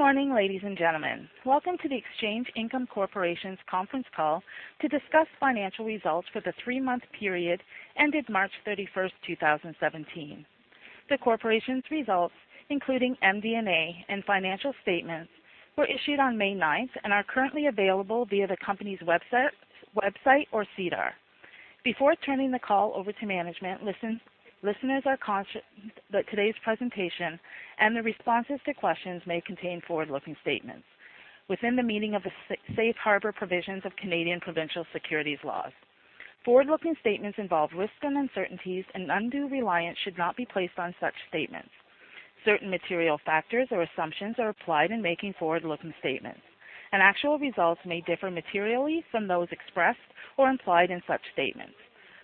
Good morning, ladies and gentlemen. Welcome to the Exchange Income Corporation's conference call to discuss financial results for the three-month period ended March 31st, 2017. The corporation's results, including MD&A and financial statements, were issued on May 9th and are currently available via the company's website or SEDAR. Before turning the call over to management, listeners are conscious that today's presentation and the responses to questions may contain forward-looking statements within the meaning of the safe harbor provisions of Canadian provincial securities laws. Forward-looking statements involve risks and uncertainties, and undue reliance should not be placed on such statements. Certain material factors or assumptions are applied in making forward-looking statements, and actual results may differ materially from those expressed or implied in such statements.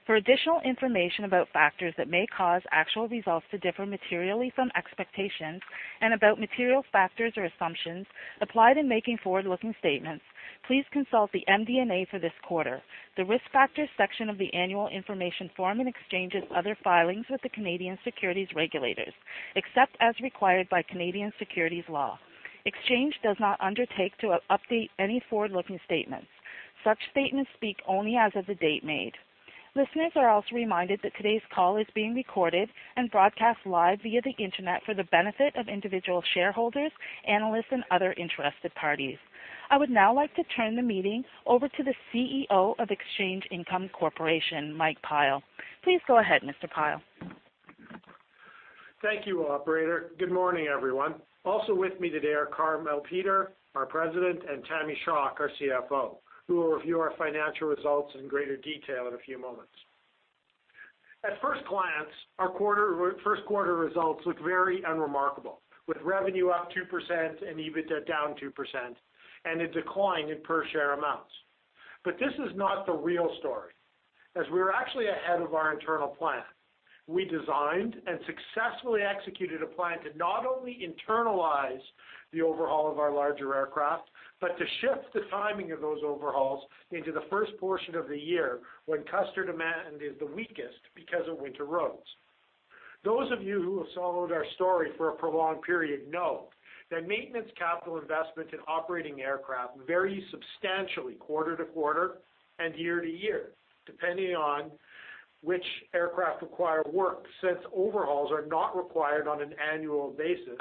For additional information about factors that may cause actual results to differ materially from expectations and about material factors or assumptions applied in making forward-looking statements, please consult the MD&A for this quarter, the Risk Factors section of the annual information form, and Exchange's other filings with the Canadian securities regulators, except as required by Canadian securities law. Exchange does not undertake to update any forward-looking statements. Such statements speak only as of the date made. Listeners are also reminded that today's call is being recorded and broadcast live via the Internet for the benefit of individual shareholders, analysts, and other interested parties. I would now like to turn the meeting over to the CEO of Exchange Income Corporation, Mike Pyle. Please go ahead, Mr. Pyle. Thank you, operator. Good morning, everyone. Also with me today are Carmele Peter, our President, and Tamara Schock, our CFO, who will review our financial results in greater detail in a few moments. At first glance, our first quarter results look very unremarkable, with revenue up 2% and EBITDA down 2%, and a decline in per-share amounts. This is not the real story, as we are actually ahead of our internal plan. We designed and successfully executed a plan to not only internalize the overhaul of our larger aircraft but to shift the timing of those overhauls into the first portion of the year when customer demand is the weakest because of winter roads. Those of you who have followed our story for a prolonged period know that maintenance capital investment in operating aircraft vary substantially quarter-to-quarter and year-to-year, depending on which aircraft require work, since overhauls are not required on an annual basis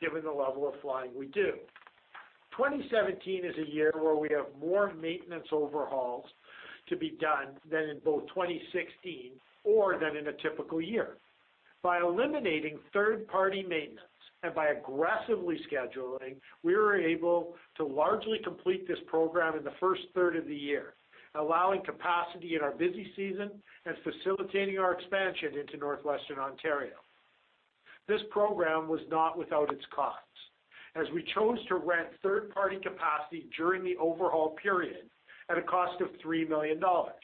given the level of flying we do. 2017 is a year where we have more maintenance overhauls to be done than in both 2016 or than in a typical year. By eliminating third-party maintenance and by aggressively scheduling, we were able to largely complete this program in the first third of the year, allowing capacity in our busy season and facilitating our expansion into Northwestern Ontario. This program was not without its costs, as we chose to rent third-party capacity during the overhaul period at a cost of 3 million dollars.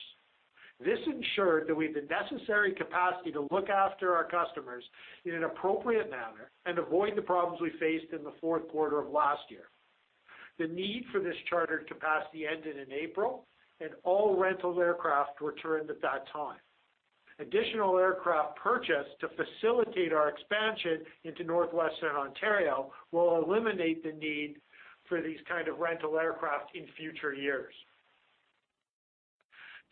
This ensured that we had the necessary capacity to look after our customers in an appropriate manner and avoid the problems we faced in the fourth quarter of last year. The need for this chartered capacity ended in April, and all rental aircraft returned at that time. Additional aircraft purchased to facilitate our expansion into Northwestern Ontario will eliminate the need for these kinds of rental aircraft in future years.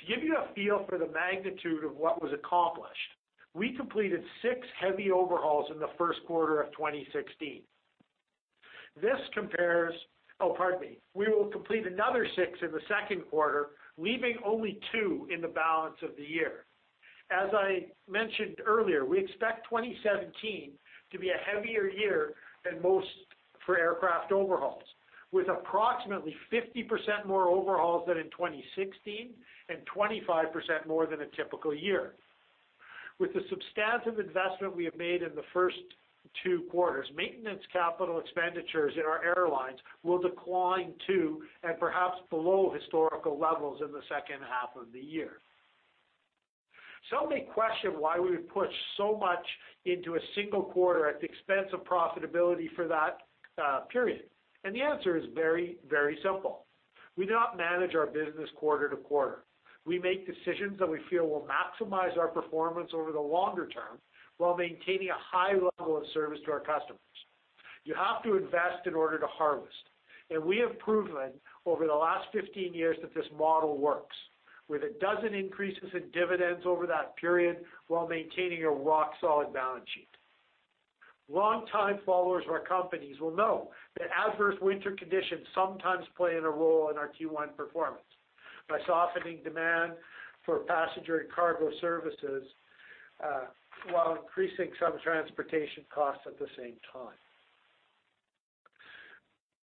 To give you a feel for the magnitude of what was accomplished, we completed six heavy overhauls in the first quarter of 2016. Oh, pardon me. We will complete another six in the second quarter, leaving only two in the balance of the year. As I mentioned earlier, we expect 2017 to be a heavier year than most for aircraft overhauls, with approximately 50% more overhauls than in 2016 and 25% more than a typical year. With the substantive investment we have made in the first two quarters, maintenance capital expenditures in our airlines will decline to and perhaps below historical levels in the second half of the year. Some may question why we would push so much into a single quarter at the expense of profitability for that period. The answer is very, very simple. We do not manage our business quarter to quarter. We make decisions that we feel will maximize our performance over the longer term while maintaining a high level of service to our customers. You have to invest in order to harvest, and we have proven over the last 15 years that this model works with a dozen increases in dividends over that period while maintaining a rock-solid balance sheet. Long-time followers of our companies will know that adverse winter conditions sometimes play a role in our Q1 performance by softening demand for passenger and cargo services while increasing some transportation costs at the same time.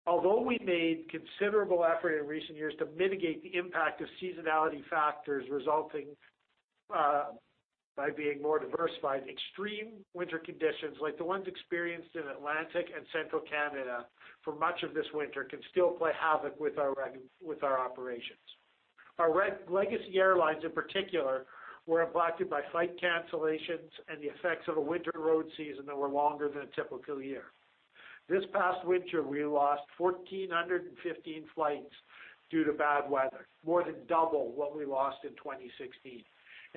Although we've made considerable effort in recent years to mitigate the impact of seasonality factors resulting by being more diversified, extreme winter conditions like the ones experienced in Atlantic and Central Canada for much of this winter can still play havoc with our operations. Our Legacy Airlines, in particular, were impacted by flight cancellations and the effects of a winter road season that were longer than a typical year. This past winter, we lost 1,415 flights due to bad weather, more than double what we lost in 2016.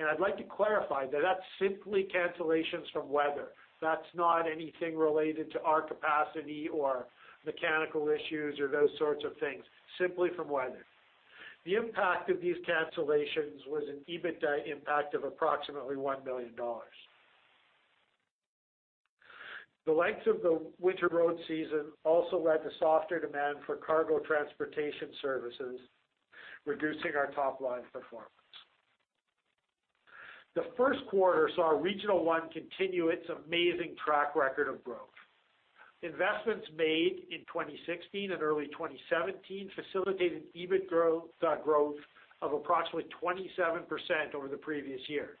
I'd like to clarify that that's simply cancellations from weather. That's not anything related to our capacity or mechanical issues or those sorts of things, simply from weather. The impact of these cancellations was an EBITDA impact of approximately 1 million dollars. The length of the winter road season also led to softer demand for cargo transportation services, reducing our top-line performance. The first quarter saw Regional One continue its amazing track record of growth. Investments made in 2016 and early 2017 facilitated EBITDA growth of approximately 27% over the previous year.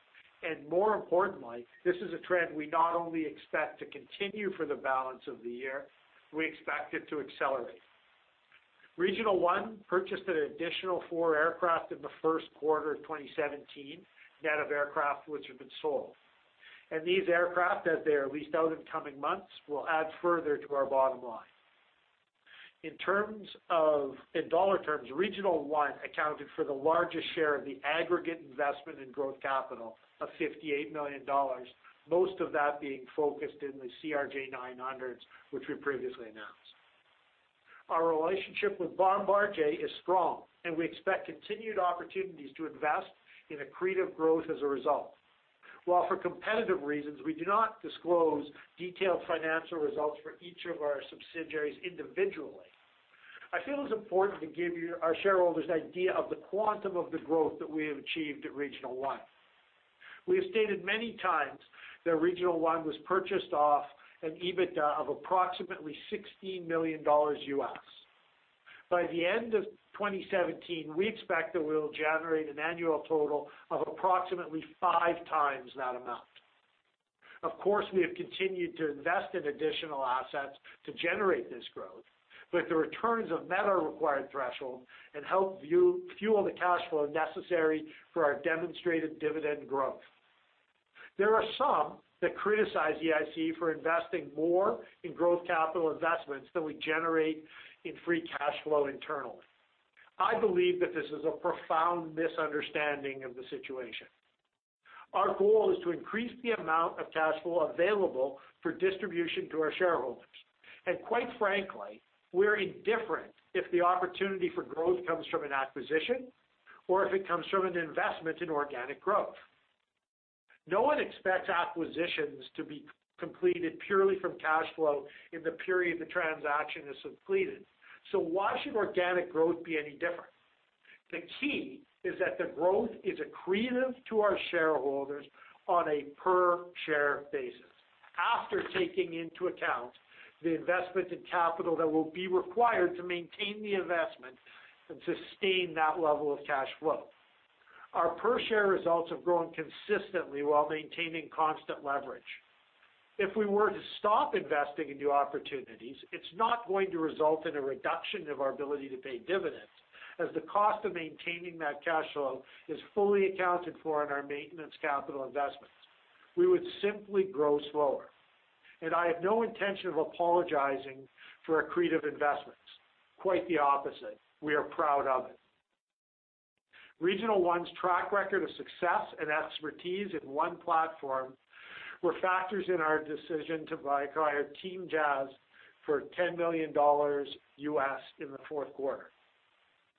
More importantly, this is a trend we not only expect to continue for the balance of the year, we expect it to accelerate. Regional One purchased an additional four aircraft in the first quarter of 2017, net of aircraft which have been sold. These aircraft, as they are leased out in coming months, will add further to our bottom line. In dollar terms, Regional One accounted for the largest share of the aggregate investment in growth capital of 58 million dollars, most of that being focused in the CRJ-900s, which we previously announced. Our relationship with Bombardier is strong, we expect continued opportunities to invest in accretive growth as a result. While for competitive reasons, we do not disclose detailed financial results for each of our subsidiaries individually, I feel it's important to give our shareholders an idea of the quantum of the growth that we have achieved at Regional One. We have stated many times that Regional One was purchased off an EBITDA of approximately $16 million. By the end of 2017, we expect that we'll generate an annual total of approximately five times that amount. Of course, we have continued to invest in additional assets to generate this growth, the returns have met our required threshold and help fuel the cash flow necessary for our demonstrated dividend growth. There are some that criticize EIC for investing more in growth capital investments than we generate in free cash flow internally. I believe that this is a profound misunderstanding of the situation. Our goal is to increase the amount of cash flow available for distribution to our shareholders. Quite frankly, we're indifferent if the opportunity for growth comes from an acquisition or if it comes from an investment in organic growth. No one expects acquisitions to be completed purely from cash flow in the period the transaction is completed. Why should organic growth be any different? The key is that the growth is accretive to our shareholders on a per-share basis, after taking into account the investment in capital that will be required to maintain the investment and sustain that level of cash flow. Our per-share results have grown consistently while maintaining constant leverage. If we were to stop investing in new opportunities, it's not going to result in a reduction of our ability to pay dividends as the cost of maintaining that cash flow is fully accounted for in our maintenance capital investments. We would simply grow slower. I have no intention of apologizing for accretive investments. Quite the opposite. We are proud of it. Regional One's track record of success and expertise in one platform were factors in our decision to acquire Team JAS for $10 million in the fourth quarter.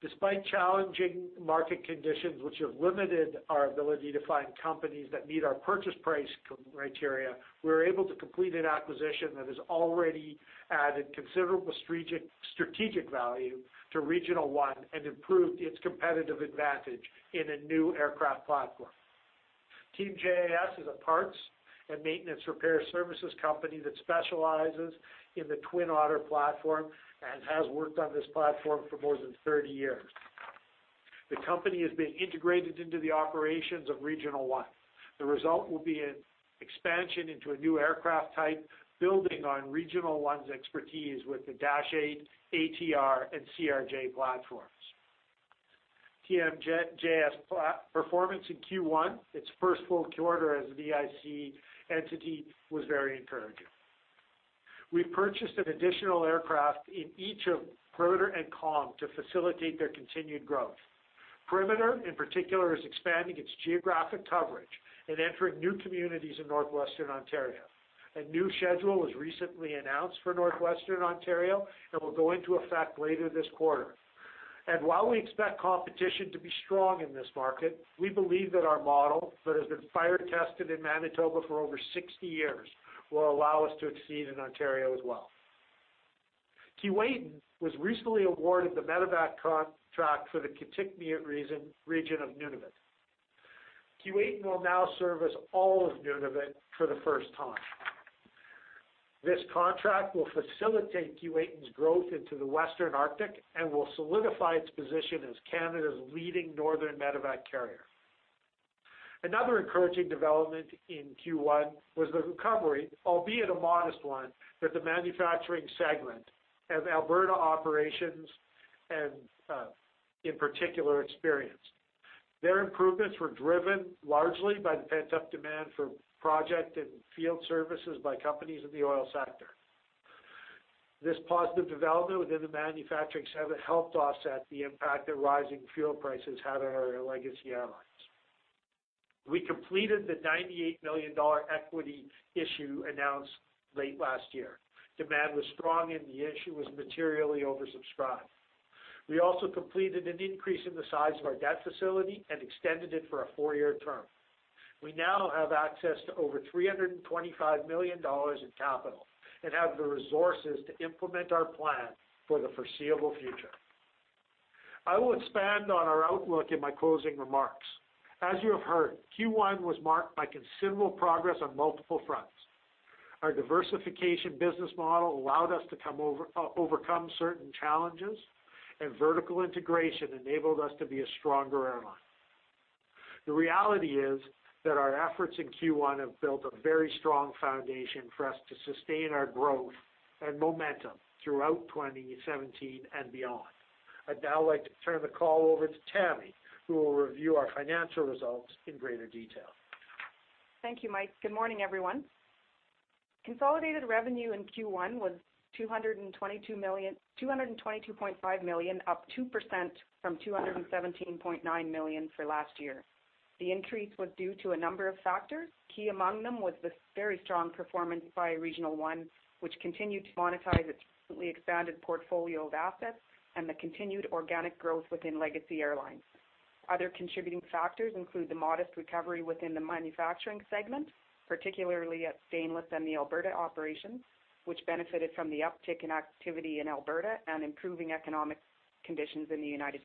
Despite challenging market conditions which have limited our ability to find companies that meet our purchase price criteria, we were able to complete an acquisition that has already added considerable strategic value to Regional One and improved its competitive advantage in a new aircraft platform. Team JAS is a parts and maintenance repair services company that specializes in the Twin Otter platform and has worked on this platform for more than 30 years. The company is being integrated into the operations of Regional One. The result will be an expansion into a new aircraft type, building on Regional One's expertise with the Dash 8, ATR, and CRJ platforms. Team JAS performance in Q1, its first full quarter as an EIC entity, was very encouraging. We purchased an additional aircraft in each of Perimeter and Calm to facilitate their continued growth. Perimeter, in particular, is expanding its geographic coverage and entering new communities in Northwestern Ontario. A new schedule was recently announced for Northwestern Ontario and will go into effect later this quarter. While we expect competition to be strong in this market, we believe that our model that has been fire tested in Manitoba for over 60 years will allow us to succeed in Ontario as well. Keewatin was recently awarded the medevac contract for the Kitikmeot Region of Nunavut. Keewatin will now service all of Nunavut for the first time. This contract will facilitate Keewatin's growth into the western Arctic and will solidify its position as Canada's leading northern medevac carrier. Another encouraging development in Q1 was the recovery, albeit a modest one, that the manufacturing segment of Alberta operations and in particular experienced. Their improvements were driven largely by the pent-up demand for project and field services by companies in the oil sector. This positive development within the manufacturing segment helped offset the impact that rising fuel prices had on our Legacy Airlines. We completed the 98 million dollar equity issue announced late last year. Demand was strong and the issue was materially oversubscribed. We also completed an increase in the size of our debt facility and extended it for a four-year term. We now have access to over 325 million dollars in capital and have the resources to implement our plan for the foreseeable future. I will expand on our outlook in my closing remarks. As you have heard, Q1 was marked by considerable progress on multiple fronts. Our diversification business model allowed us to overcome certain challenges. Vertical integration enabled us to be a stronger airline. The reality is that our efforts in Q1 have built a very strong foundation for us to sustain our growth and momentum throughout 2017 and beyond. I'd now like to turn the call over to Tammy, who will review our financial results in greater detail. Thank you, Mike. Good morning, everyone. Consolidated revenue in Q1 was 222.5 million, up 2% from 217.9 million for last year. The increase was due to a number of factors. Key among them was the very strong performance by Regional One, which continued to monetize its recently expanded portfolio of assets and the continued organic growth within Legacy Airlines. Other contributing factors include the modest recovery within the manufacturing segment, particularly at Stainless and the Alberta operations, which benefited from the uptick in activity in Alberta and improving economic conditions in the U.S.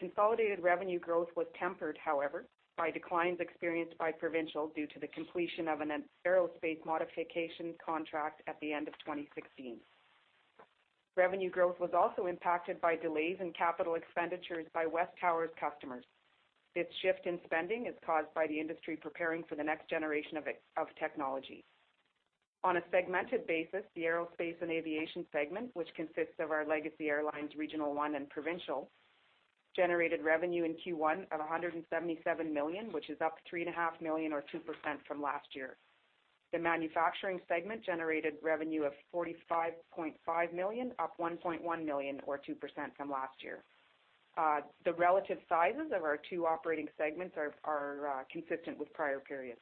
Consolidated revenue growth was tempered, however, by declines experienced by Provincial due to the completion of an aerospace modification contract at the end of 2016. Revenue growth was also impacted by delays in capital expenditures by WesTower's customers. This shift in spending is caused by the industry preparing for the next generation of technology. On a segmented basis, the aerospace and aviation segment, which consists of our Legacy Airlines, Regional One, and Provincial, generated revenue in Q1 of 177 million, which is up 3.5 million or 2% from last year. The manufacturing segment generated revenue of 45.5 million, up 1.1 million or 2% from last year. The relative sizes of our two operating segments are consistent with prior periods.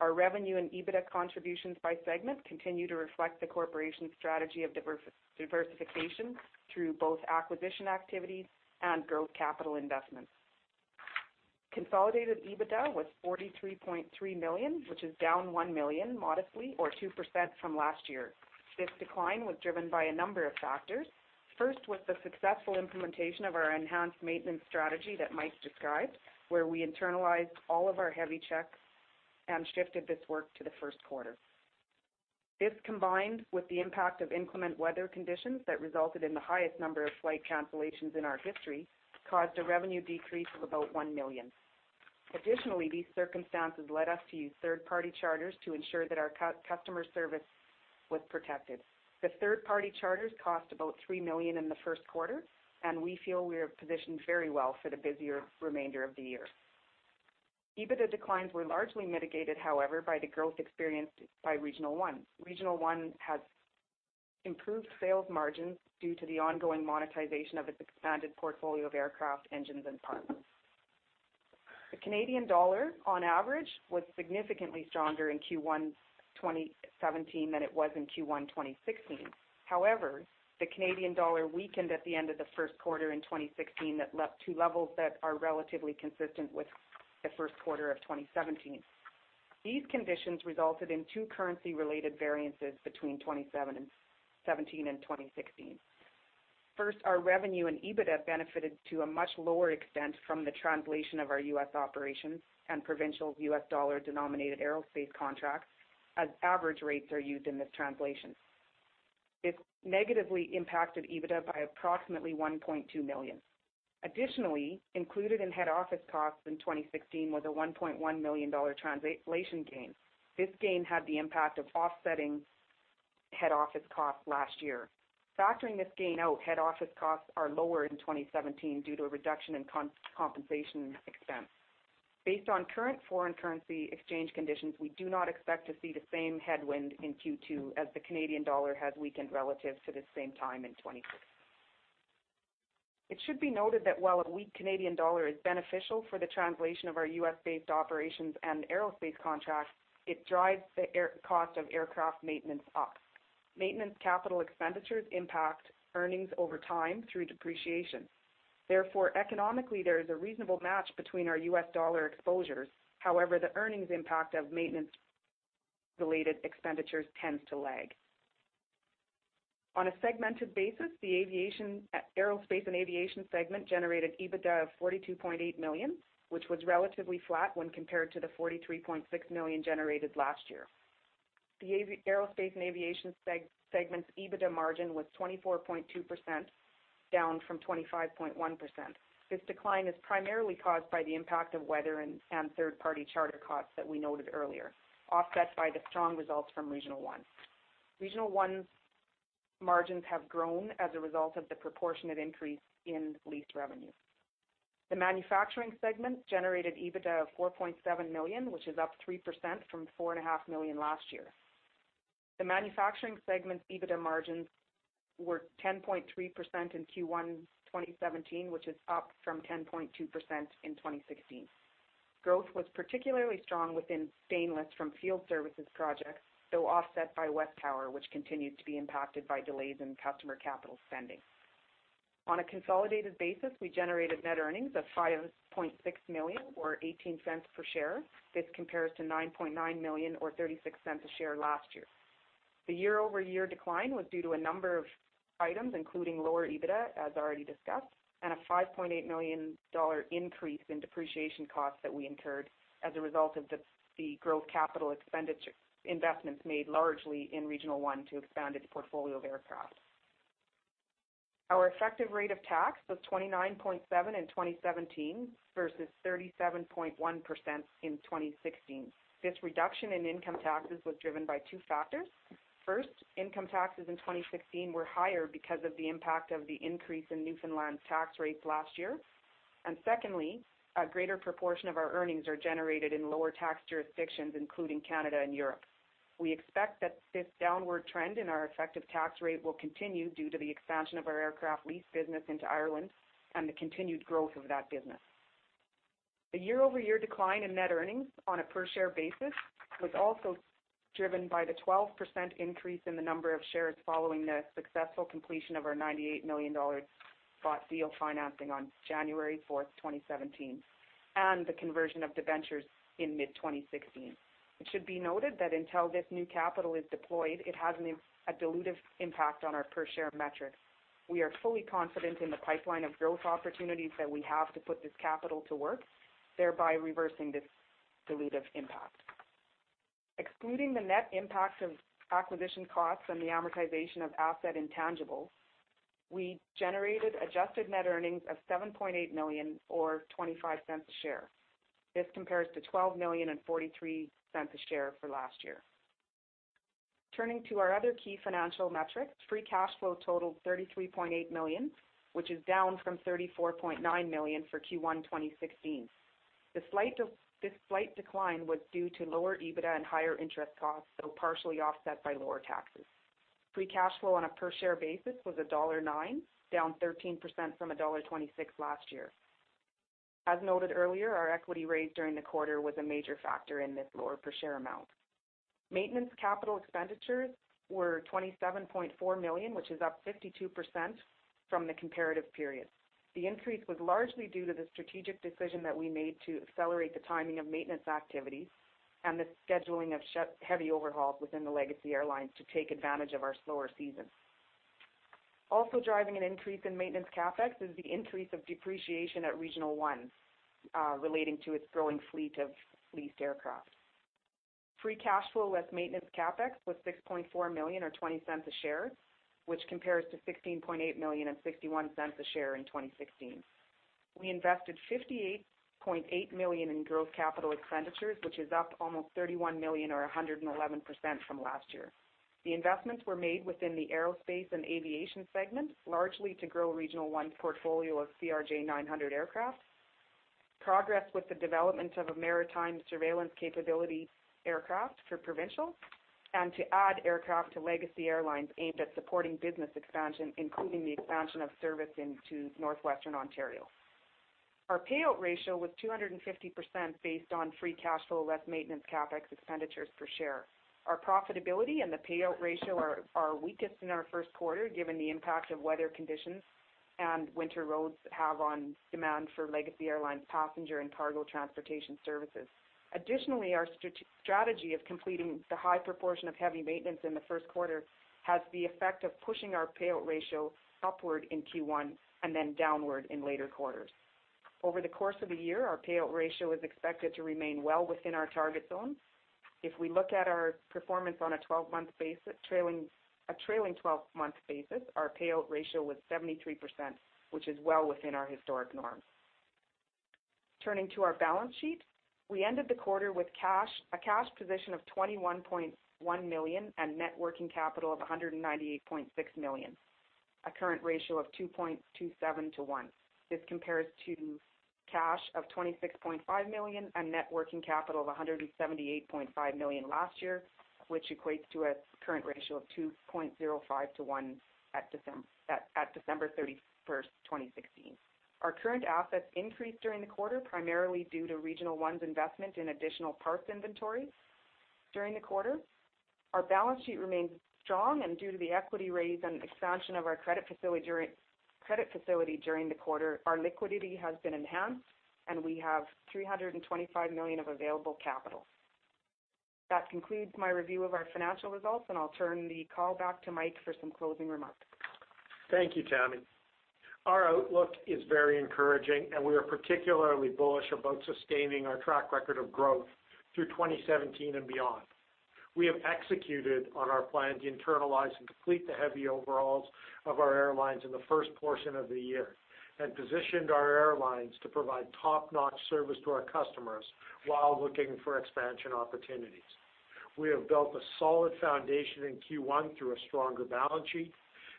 Our revenue and EBITDA contributions by segment continue to reflect the corporation's strategy of diversification through both acquisition activities and growth capital investments. Consolidated EBITDA was 43.3 million, which is down 1 million modestly or 2% from last year. This decline was driven by a number of factors. First was the successful implementation of our enhanced maintenance strategy that Mike described, where we internalized all of our heavy checks and shifted this work to the first quarter. This, combined with the impact of inclement weather conditions that resulted in the highest number of flight cancellations in our history, caused a revenue decrease of about 1 million. Additionally, these circumstances led us to use third-party charters to ensure that our customer service was protected. The third-party charters cost about 3 million in the first quarter, and we feel we are positioned very well for the busier remainder of the year. EBITDA declines were largely mitigated, however, by the growth experienced by Regional One. Regional One has improved sales margins due to the ongoing monetization of its expanded portfolio of aircraft engines and parts. The Canadian dollar, on average, was significantly stronger in Q1 2017 than it was in Q1 2016. However, the Canadian dollar weakened at the end of the first quarter in 2016 to levels that are relatively consistent with the first quarter of 2017. These conditions resulted in two currency-related variances between 2017 and 2016. First, our revenue and EBITDA benefited to a much lower extent from the translation of our U.S. operations and Provincial U.S. dollar-denominated aerospace contracts, as average rates are used in this translation. This negatively impacted EBITDA by approximately 1.2 million. Additionally, included in head office costs in 2016 was a 1.1 million dollar translation gain. This gain had the impact of offsetting head office costs last year. Factoring this gain out, head office costs are lower in 2017 due to a reduction in compensation expense. Based on current foreign currency exchange conditions, we do not expect to see the same headwind in Q2 as the Canadian dollar has weakened relative to the same time in 2016. It should be noted that while a weak Canadian dollar is beneficial for the translation of our U.S.-based operations and aerospace contracts, it drives the cost of aircraft maintenance up. Maintenance capital expenditures impact earnings over time through depreciation. Therefore, economically, there is a reasonable match between our U.S. dollar exposures. However, the earnings impact of maintenance-related expenditures tends to lag. On a segmented basis, the aerospace and aviation segment generated EBITDA of 42.8 million, which was relatively flat when compared to the 43.6 million generated last year. The aerospace and aviation segment's EBITDA margin was 24.2%, down from 25.1%. This decline is primarily caused by the impact of weather and third-party charter costs that we noted earlier, offset by the strong results from Regional One. Regional One's margins have grown as a result of the proportionate increase in lease revenue. The manufacturing segment generated EBITDA of 4.7 million, which is up 3% from 4.5 million last year. The manufacturing segment's EBITDA margins were 10.3% in Q1 2017, which is up from 10.2% in 2016. Growth was particularly strong within Stainless Fabrication from field services projects, though offset by WesTower Communications, which continued to be impacted by delays in customer capital spending. On a consolidated basis, we generated net earnings of 5.6 million, or 0.18 per share. This compares to 9.9 million or 0.36 a share last year. The year-over-year decline was due to a number of items, including lower EBITDA, as already discussed, and a 5.8 million dollar increase in depreciation costs that we incurred as a result of the growth capital investments made largely in Regional One to expand its portfolio of aircraft. Our effective rate of tax was 29.7% in 2017 versus 37.1% in 2016. This reduction in income taxes was driven by two factors. First, income taxes in 2016 were higher because of the impact of the increase in Newfoundland's tax rates last year. Secondly, a greater proportion of our earnings are generated in lower tax jurisdictions, including Canada and Europe. We expect that this downward trend in our effective tax rate will continue due to the expansion of our aircraft lease business into Ireland and the continued growth of that business. The year-over-year decline in net earnings on a per-share basis was also driven by the 12% increase in the number of shares following the successful completion of our 98 million dollar bought deal financing on January 4th, 2017, and the conversion of debentures in mid-2016. It should be noted that until this new capital is deployed, it has a dilutive impact on our per-share metric. We are fully confident in the pipeline of growth opportunities that we have to put this capital to work, thereby reversing this dilutive impact. Excluding the net impact of acquisition costs and the amortization of asset intangibles, we generated adjusted net earnings of 7.8 million or 0.25 a share. This compares to 12 million and 0.43 a share for last year. Turning to our other key financial metrics, free cash flow totaled 33.8 million, which is down from 34.9 million for Q1 2016. This slight decline was due to lower EBITDA and higher interest costs, though partially offset by lower taxes. Free cash flow on a per-share basis was dollar 1.09, down 13% from dollar 1.26 last year. As noted earlier, our equity raise during the quarter was a major factor in this lower per-share amount. Maintenance capital expenditures were 27.4 million, which is up 52% from the comparative period. The increase was largely due to the strategic decision that we made to accelerate the timing of maintenance activities and the scheduling of heavy overhauls within the Legacy Airlines to take advantage of our slower season. Also driving an increase in maintenance CapEx is the increase of depreciation at Regional One relating to its growing fleet of leased aircraft. Free cash flow less maintenance CapEx was 6.4 million or 0.20 a share, which compares to 16.8 million and 0.61 a share in 2016. We invested 58.8 million in growth capital expenditures, which is up almost 31 million or 111% from last year. The investments were made within the aerospace and aviation segment, largely to grow Regional One's portfolio of CRJ-900 aircrafts, progress with the development of a maritime surveillance capability aircraft for Provincial Aerospace, and to add aircraft to Legacy Airlines aimed at supporting business expansion, including the expansion of service into Northwestern Ontario. Our payout ratio was 250% based on free cash flow, less maintenance CapEx expenditures per share. Our profitability and the payout ratio are weakest in our first quarter, given the impact of weather conditions and winter roads have on demand for Legacy Airlines passenger and cargo transportation services. Additionally, our strategy of completing the high proportion of heavy maintenance in the first quarter has the effect of pushing our payout ratio upward in Q1 and then downward in later quarters. Over the course of a year, our payout ratio is expected to remain well within our target zone. If we look at our performance on a trailing 12-month basis, our payout ratio was 73%, which is well within our historic norm. Turning to our balance sheet, we ended the quarter with a cash position of 21.1 million and net working capital of 198.6 million, a current ratio of 2.27 to one. This compares to cash of 26.5 million and net working capital of 178.5 million last year, which equates to a current ratio of 2.05 to one at December 31st, 2016. Our current assets increased during the quarter, primarily due to Regional One's investment in additional parts inventory during the quarter. Our balance sheet remains strong, and due to the equity raise and expansion of our credit facility during the quarter, our liquidity has been enhanced, and we have 325 million of available capital. That concludes my review of our financial results, and I'll turn the call back to Mike for some closing remarks. Thank you, Tammy. Our outlook is very encouraging, and we are particularly bullish about sustaining our track record of growth through 2017 and beyond. We have executed on our plan to internalize and complete the heavy overhauls of our airlines in the first portion of the year and positioned our airlines to provide top-notch service to our customers while looking for expansion opportunities. We have built a solid foundation in Q1 through a stronger balance sheet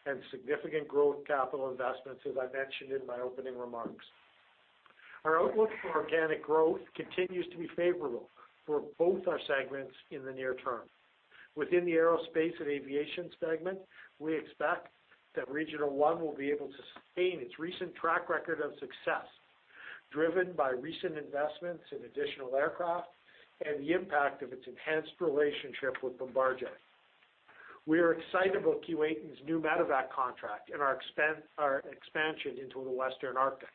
and significant growth capital investments, as I mentioned in my opening remarks. Our outlook for organic growth continues to be favorable for both our segments in the near term. Within the aerospace and aviation segment, we expect that Regional One will be able to sustain its recent track record of success, driven by recent investments in additional aircraft and the impact of its enhanced relationship with Bombardier. We are excited about Keewatin's new medevac contract and our expansion into the Western Arctic.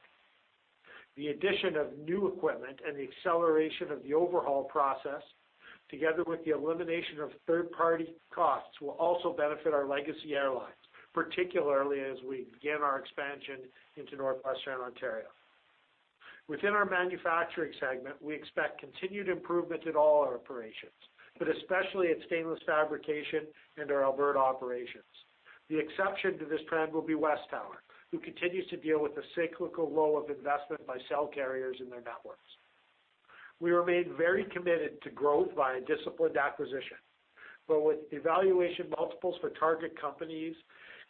The addition of new equipment and the acceleration of the overhaul process, together with the elimination of third-party costs, will also benefit our Legacy Airlines, particularly as we begin our expansion into Northwestern Ontario. Within our manufacturing segment, we expect continued improvement in all our operations, but especially in Stainless Fabrication and our Alberta operations. The exception to this trend will be WesTower, who continues to deal with the cyclical lull of investment by cell carriers in their networks. With evaluation multiples for target companies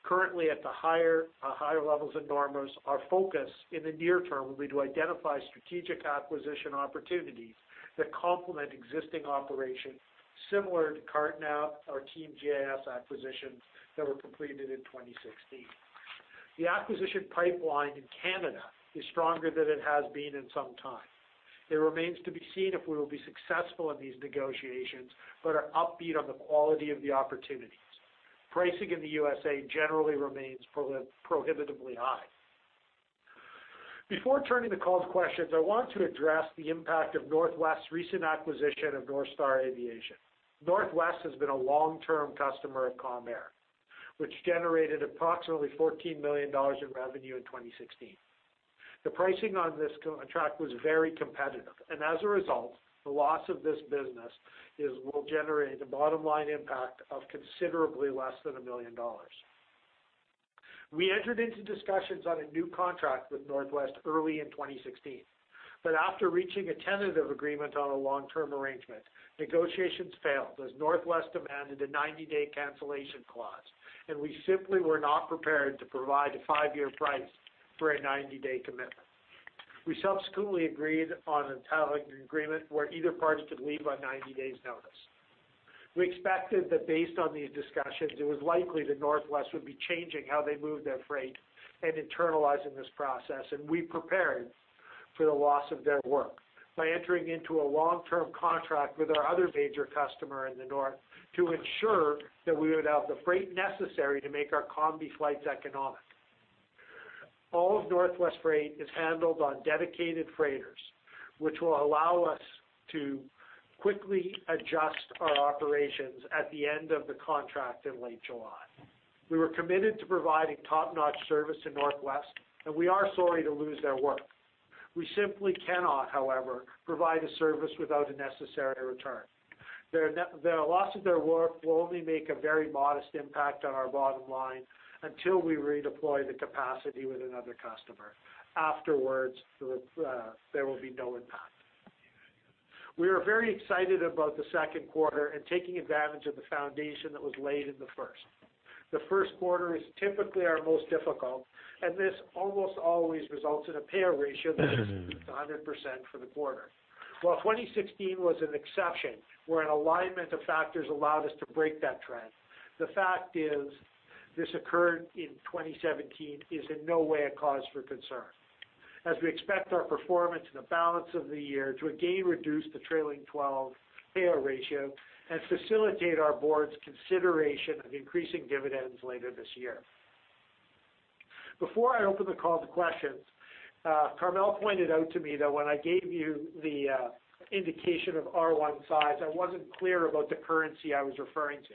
currently at the higher levels than normal, our focus in the near term will be to identify strategic acquisition opportunities that complement existing operations, similar to CarteNav or Team JAS acquisitions that were completed in 2016. The acquisition pipeline in Canada is stronger than it has been in some time. It remains to be seen if we will be successful in these negotiations but are upbeat on the quality of the opportunities. Pricing in the U.S.A. generally remains prohibitively high. Before turning the call to questions, I want to address the impact of Northwest's recent acquisition of North Star Air. Northwest has been a long-term customer of Calm Air, which generated approximately 14 million dollars in revenue in 2016. The pricing on this contract was very competitive, and as a result, the loss of this business will generate a bottom-line impact of considerably less than 1 million dollars. We entered into discussions on a new contract with Northwest early in 2016, but after reaching a tentative agreement on a long-term arrangement, negotiations failed as Northwest demanded a 90-day cancellation clause, and we simply were not prepared to provide a five-year price for a 90-day commitment. We subsequently agreed on a tail-end agreement where either party could leave on 90 days' notice. We expected that based on these discussions, it was likely that Northwest would be changing how they moved their freight and internalizing this process, and we prepared for the loss of their work by entering into a long-term contract with our other major customer in the north to ensure that we would have the freight necessary to make our combi flights economic. All of Northwest Freight is handled on dedicated freighters, which will allow us to quickly adjust our operations at the end of the contract in late July. We were committed to providing top-notch service to Northwest, and we are sorry to lose their work. We simply cannot, however, provide a service without a necessary return. The loss of their work will only make a very modest impact on our bottom line until we redeploy the capacity with another customer. Afterwards, there will be no impact. We are very excited about the second quarter and taking advantage of the foundation that was laid in the first. The first quarter is typically our most difficult, and this almost always results in a payout ratio that exceeds 100% for the quarter. While 2016 was an exception, where an alignment of factors allowed us to break that trend, the fact this occurred in 2017 is in no way a cause for concern, as we expect our performance in the balance of the year to again reduce the trailing 12 payout ratio and facilitate our board's consideration of increasing dividends later this year. Before I open the call to questions, Carmele pointed out to me that when I gave you the indication of R1 size, I wasn't clear about the currency I was referring to.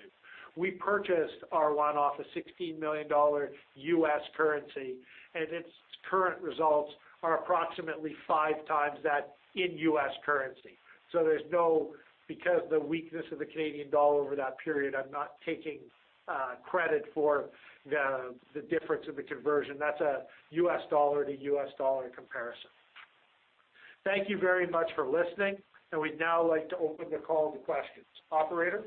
We purchased R1 off a $16 million USD, and its current results are approximately five times that in USD. Because the weakness of the Canadian dollar over that period, I'm not taking credit for the difference in the conversion. That's a USD to USD comparison. Thank you very much for listening. We'd now like to open the call to questions. Operator?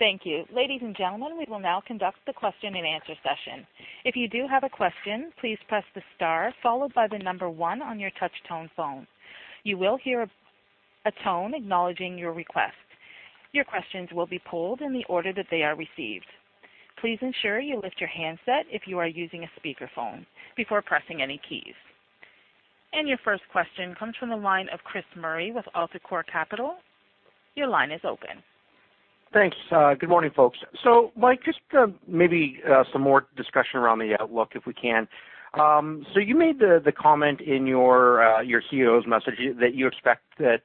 Thank you. Ladies and gentlemen, we will now conduct the question and answer session. If you do have a question, please press the star followed by the number one on your touch tone phone. You will hear a tone acknowledging your request. Your questions will be polled in the order that they are received. Please ensure you lift your handset if you are using a speakerphone before pressing any keys. Your first question comes from the line of Chris Murray with AltaCorp Capital. Your line is open. Thanks. Good morning, folks. Mike, just maybe some more discussion around the outlook, if we can. You made the comment in your CEO's message that you expect that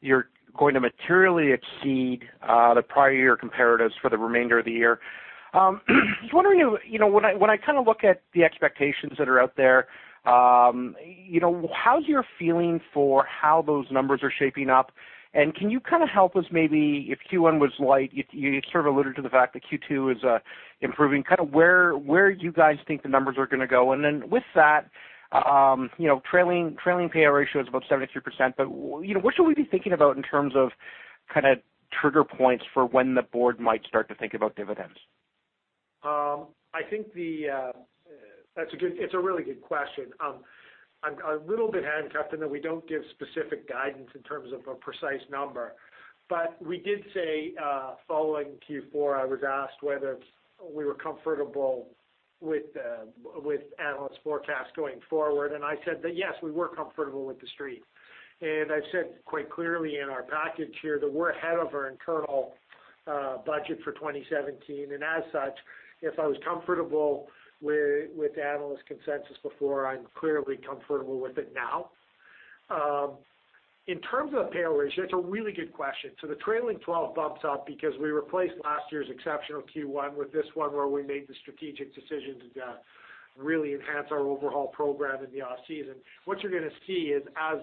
you're going to materially exceed the prior year comparatives for the remainder of the year. Just wondering, when I look at the expectations that are out there, how's your feeling for how those numbers are shaping up? Can you help us maybe if Q1 was light, you sort of alluded to the fact that Q2 is improving, where you guys think the numbers are going to go? With that trailing payout ratio is about 73%. What should we be thinking about in terms of trigger points for when the board might start to think about dividends? It's a really good question. I'm a little bit handcuffed in that we don't give specific guidance in terms of a precise number. We did say, following Q4, I was asked whether we were comfortable with analyst forecasts going forward, and I said that yes, we were comfortable with the Street. I've said quite clearly in our package here that we're ahead of our internal budget for 2017, and as such, if I was comfortable with analyst consensus before, I'm clearly comfortable with it now. In terms of payout ratio, that's a really good question. The trailing 12 bumps up because we replaced last year's exceptional Q1 with this one where we made the strategic decision to really enhance our overhaul program in the off-season. What you're going to see is as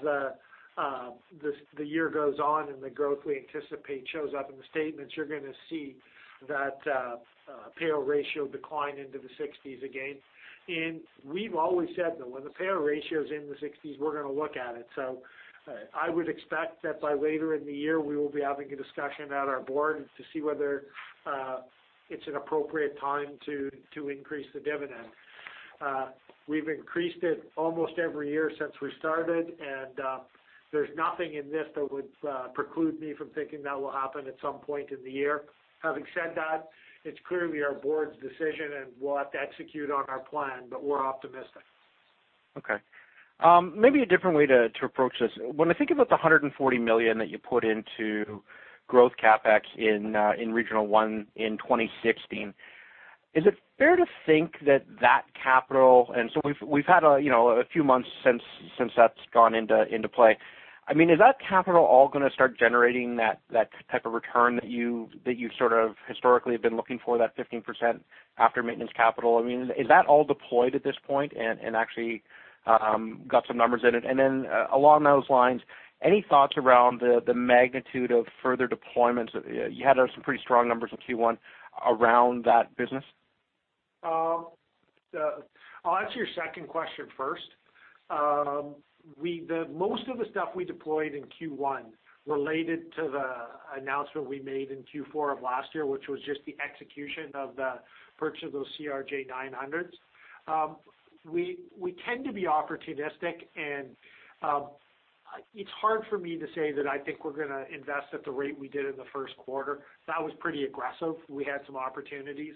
the year goes on and the growth we anticipate shows up in the statements, you're going to see that payout ratio decline into the 60s again. We've always said that when the payout ratio is in the 60s, we're going to look at it. I would expect that by later in the year, we will be having a discussion at our board to see whether it's an appropriate time to increase the dividend. We've increased it almost every year since we started, and there's nothing in this that would preclude me from thinking that will happen at some point in the year. Having said that, it's clearly our board's decision, and we'll have to execute on our plan, but we're optimistic. Okay. Maybe a different way to approach this. When I think about the 140 million that you put into growth CapEx in Regional One in 2016, is it fair to think that that capital, we've had a few months since that's gone into play. Is that capital all going to start generating that type of return that you historically have been looking for, that 15% after-maintenance capital? Is that all deployed at this point and actually got some numbers in it? Then along those lines, any thoughts around the magnitude of further deployments? You had some pretty strong numbers in Q1 around that business. I'll answer your second question first. Most of the stuff we deployed in Q1 related to the announcement we made in Q4 of last year, which was just the execution of the purchase of those CRJ-900s. We tend to be opportunistic, it's hard for me to say that I think we're going to invest at the rate we did in the first quarter. That was pretty aggressive. We had some opportunities.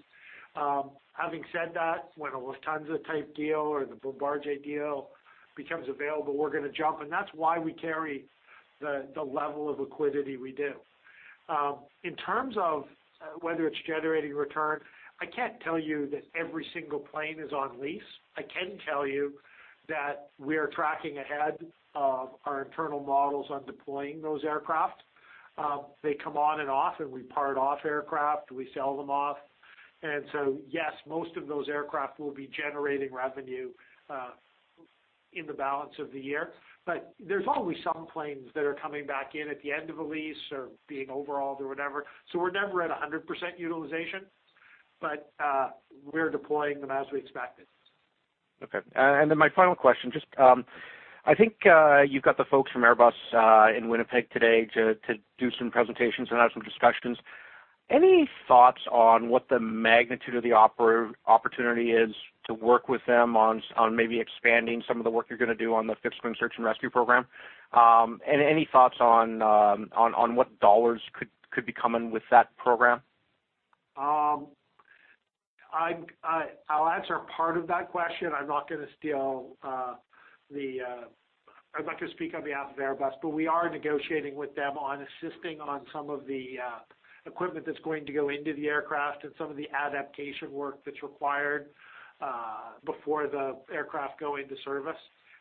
Having said that, when a Lufthansa type deal or the Bombardier deal becomes available, we're going to jump, that's why we carry the level of liquidity we do. In terms of whether it's generating return, I can't tell you that every single plane is on lease. I can tell you that we are tracking ahead of our internal models on deploying those aircraft. They come on and off we part off aircraft, we sell them off. Yes, most of those aircraft will be generating revenue in the balance of the year. There's always some planes that are coming back in at the end of a lease or being overhauled or whatever. We're never at 100% utilization, but we're deploying them as we expected. Okay, my final question. I think you've got the folks from Airbus in Winnipeg today to do some presentations and have some discussions. Any thoughts on what the magnitude of the opportunity is to work with them on maybe expanding some of the work you're going to do on the fixed-wing search and rescue program? Any thoughts on what dollars could be coming with that program? I'll answer part of that question. I'm not going to speak on behalf of Airbus, but we are negotiating with them on assisting on some of the equipment that's going to go into the aircraft and some of the adaptation work that's required before the aircraft go into service.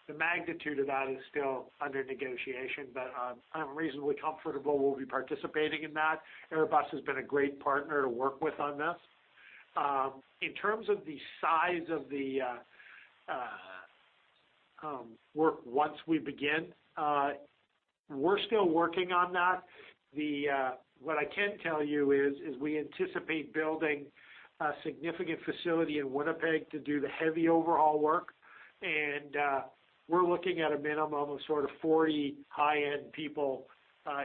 The magnitude of that is still under negotiation, but I'm reasonably comfortable we'll be participating in that. Airbus has been a great partner to work with on this. In terms of the size of the work once we begin, we're still working on that. What I can tell you is we anticipate building a significant facility in Winnipeg to do the heavy overhaul work, and we're looking at a minimum of 40 high-end people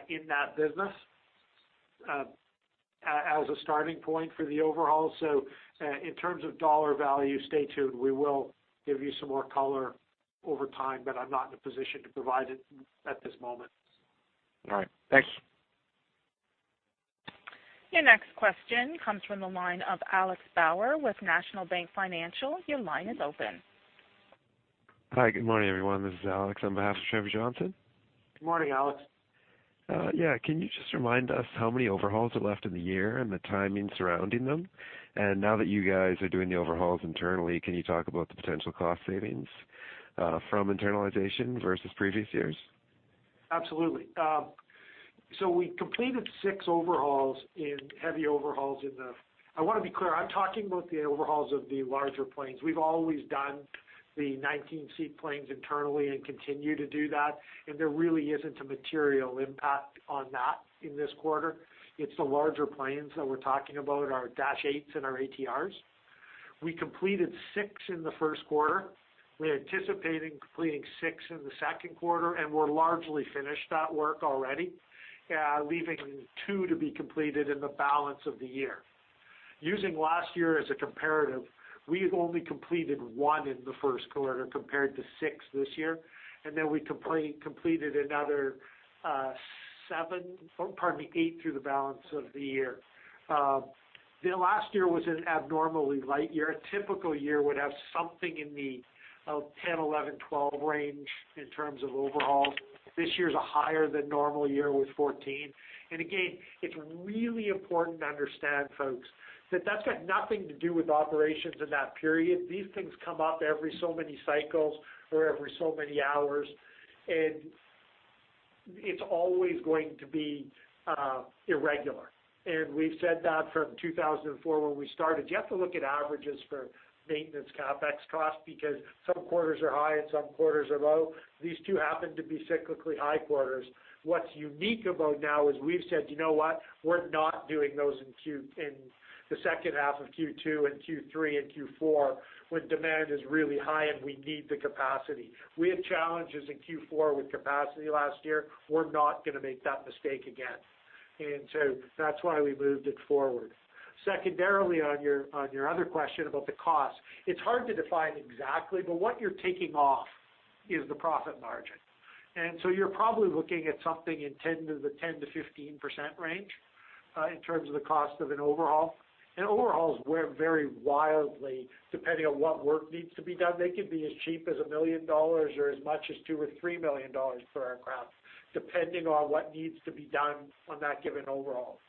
in that business as a starting point for the overhaul. In terms of dollar value, stay tuned. We will give you some more color over time, I'm not in a position to provide it at this moment. All right. Thank you. Your next question comes from the line of Alex Bauer with National Bank Financial. Your line is open. Hi, good morning, everyone. This is Alex on behalf of Trevor Johnson. Good morning, Alex. Yeah. Can you just remind us how many overhauls are left in the year and the timing surrounding them? Now that you guys are doing the overhauls internally, can you talk about the potential cost savings from internalization versus previous years? Absolutely. We completed 6 heavy overhauls in the I want to be clear, I'm talking about the overhauls of the larger planes. We've always done the 19-seat planes internally and continue to do that, there really isn't a material impact on that in this quarter. It's the larger planes that we're talking about, our Dash 8s and our ATRs. We completed 6 in the first quarter. We're anticipating completing 6 in the second quarter, we're largely finished that work already, leaving 2 to be completed in the balance of the year. Using last year as a comparative, we've only completed 1 in the first quarter compared to 6 this year, we completed another 8 through the balance of the year. Last year was an abnormally light year. A typical year would have something in the 10, 11, 12 range in terms of overhauls. This year's a higher than normal year with 14. Again, it's really important to understand, folks, that that's got nothing to do with operations in that period. These things come up every so many cycles or every so many hours, it's always going to be irregular. We've said that from 2004 when we started. You have to look at averages for maintenance CapEx costs because some quarters are high and some quarters are low. These 2 happen to be cyclically high quarters. What's unique about now is we've said, you know what? We're not doing those in the second half of Q2 and Q3 and Q4 when demand is really high and we need the capacity. We had challenges in Q4 with capacity last year. We're not going to make that mistake again. That's why we moved it forward. Secondarily, on your other question about the cost, it's hard to define exactly, but what you're taking off is the profit margin. You're probably looking at something in the 10%-15% range in terms of the cost of an overhaul. Overhauls vary wildly depending on what work needs to be done. They could be as cheap as 1 million dollars or as much as 2 million or 3 million dollars for our crafts, depending on what needs to be done on that given overhaul.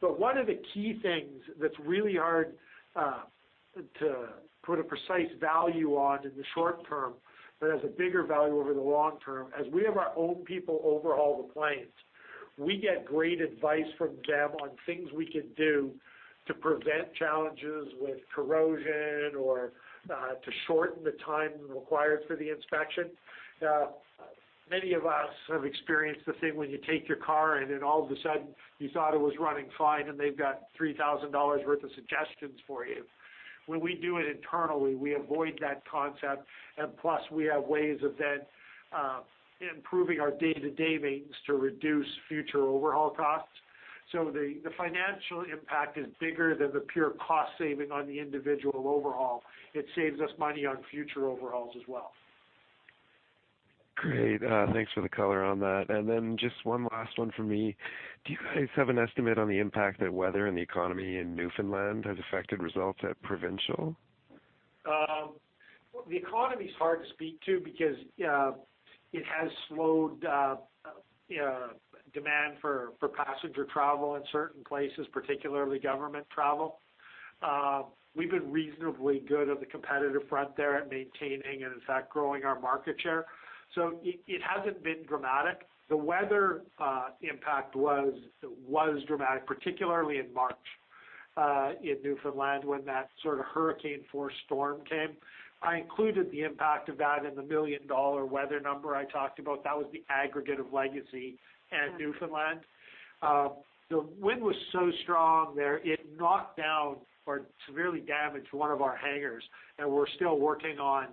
One of the key things that's really hard to put a precise value on in the short term, but has a bigger value over the long term, as we have our own people overhaul the planes, we get great advice from them on things we can do to prevent challenges with corrosion or to shorten the time required for the inspection. Many of us have experienced the thing when you take your car and then all of a sudden you thought it was running fine and they've got 3,000 dollars worth of suggestions for you. When we do it internally, we avoid that concept. Plus we have ways of then improving our day-to-day maintenance to reduce future overhaul costs. The financial impact is bigger than the pure cost saving on the individual overhaul. It saves us money on future overhauls as well. Great. Thanks for the color on that. Then just one last one from me. Do you guys have an estimate on the impact that weather and the economy in Newfoundland has affected results at Provincial? The economy is hard to speak to because it has slowed demand for passenger travel in certain places, particularly government travel. We've been reasonably good on the competitive front there at maintaining and in fact growing our market share. It hasn't been dramatic. The weather impact was dramatic, particularly in March in Newfoundland when that hurricane force storm came. I included the impact of that in the million-dollar weather number I talked about. That was the aggregate of Legacy and Newfoundland. The wind was so strong there, it knocked down or severely damaged one of our hangars and we're still working on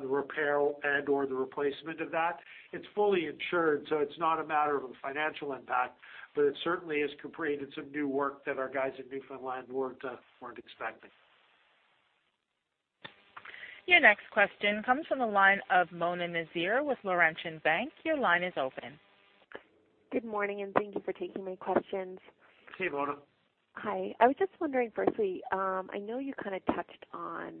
the repair and/or the replacement of that. It's fully insured, so it's not a matter of a financial impact, but it certainly has created some new work that our guys at Newfoundland weren't expecting. Your next question comes from the line of Mona Nazir with Laurentian Bank. Your line is open. Good morning. Thank you for taking my questions. Hey, Mona. Hi. I was just wondering, firstly, I know you kind of touched on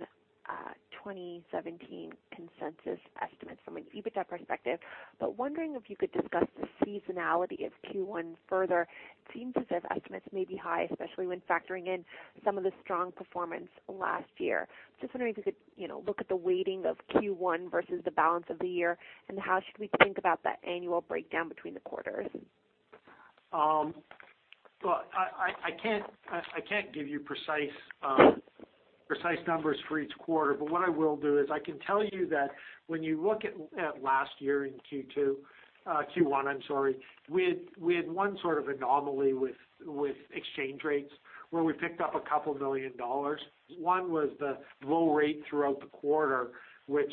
2017 consensus estimates from an EBITDA perspective. Wondering if you could discuss the seasonality of Q1 further. It seems as if estimates may be high, especially when factoring in some of the strong performance last year. Just wondering if you could look at the weighting of Q1 versus the balance of the year, and how should we think about the annual breakdown between the quarters? I can't give you precise numbers for each quarter. What I will do is I can tell you that when you look at last year in Q1, we had one sort of anomaly with exchange rates where we picked up a couple million CAD. One was the low rate throughout the quarter, which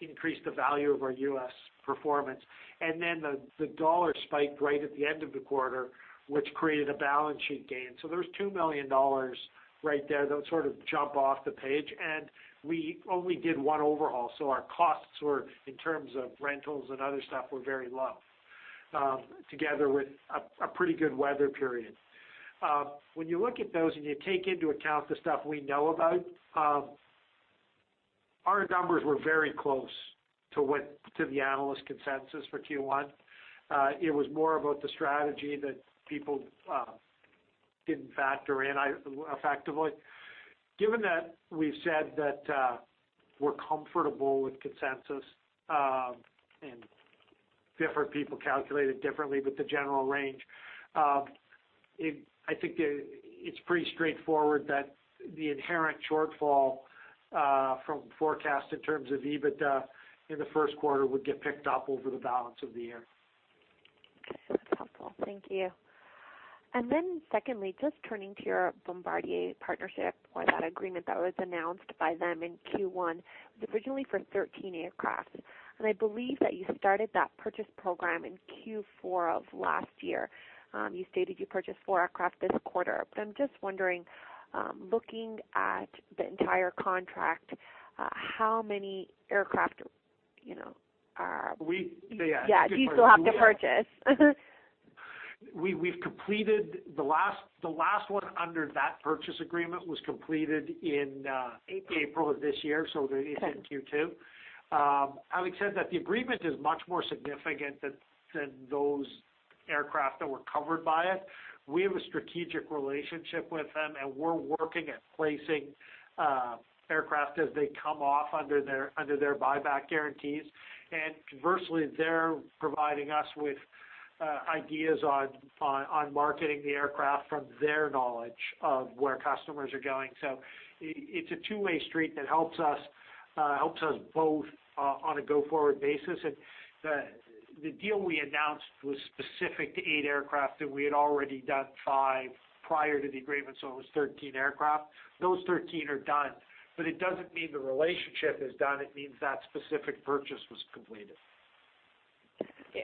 increased the value of our U.S. performance. The dollar spiked right at the end of the quarter, which created a balance sheet gain. There was 2 million dollars right there that would sort of jump off the page, and we only did one overhaul. Our costs in terms of rentals and other stuff were very low, together with a pretty good weather period. When you look at those and you take into account the stuff we know about, our numbers were very close to the analyst consensus for Q1. It was more about the strategy that people didn't factor in effectively. Given that we've said that we're comfortable with consensus and different people calculate it differently, but the general range, I think it's pretty straightforward that the inherent shortfall from forecast in terms of EBITDA in the first quarter would get picked up over the balance of the year. Thank you. Then secondly, just turning to your Bombardier partnership or that agreement that was announced by them in Q1. It was originally for 13 aircraft, and I believe that you started that purchase program in Q4 of last year. You stated you purchased four aircraft this quarter. But I'm just wondering, looking at the entire contract, how many aircraft? We- Do you still have to purchase? The last one under that purchase agreement was completed in. April April of this year, so it's in Q2. I would say that the agreement is much more significant than those aircraft that were covered by it. We have a strategic relationship with them, and we're working at placing aircraft as they come off under their buyback guarantees. Conversely, they're providing us with ideas on marketing the aircraft from their knowledge of where customers are going. It's a two-way street that helps us both on a go-forward basis. The deal we announced was specific to eight aircraft, and we had already done five prior to the agreement, so it was 13 aircraft. Those 13 are done, but it doesn't mean the relationship is done. It means that specific purchase was completed.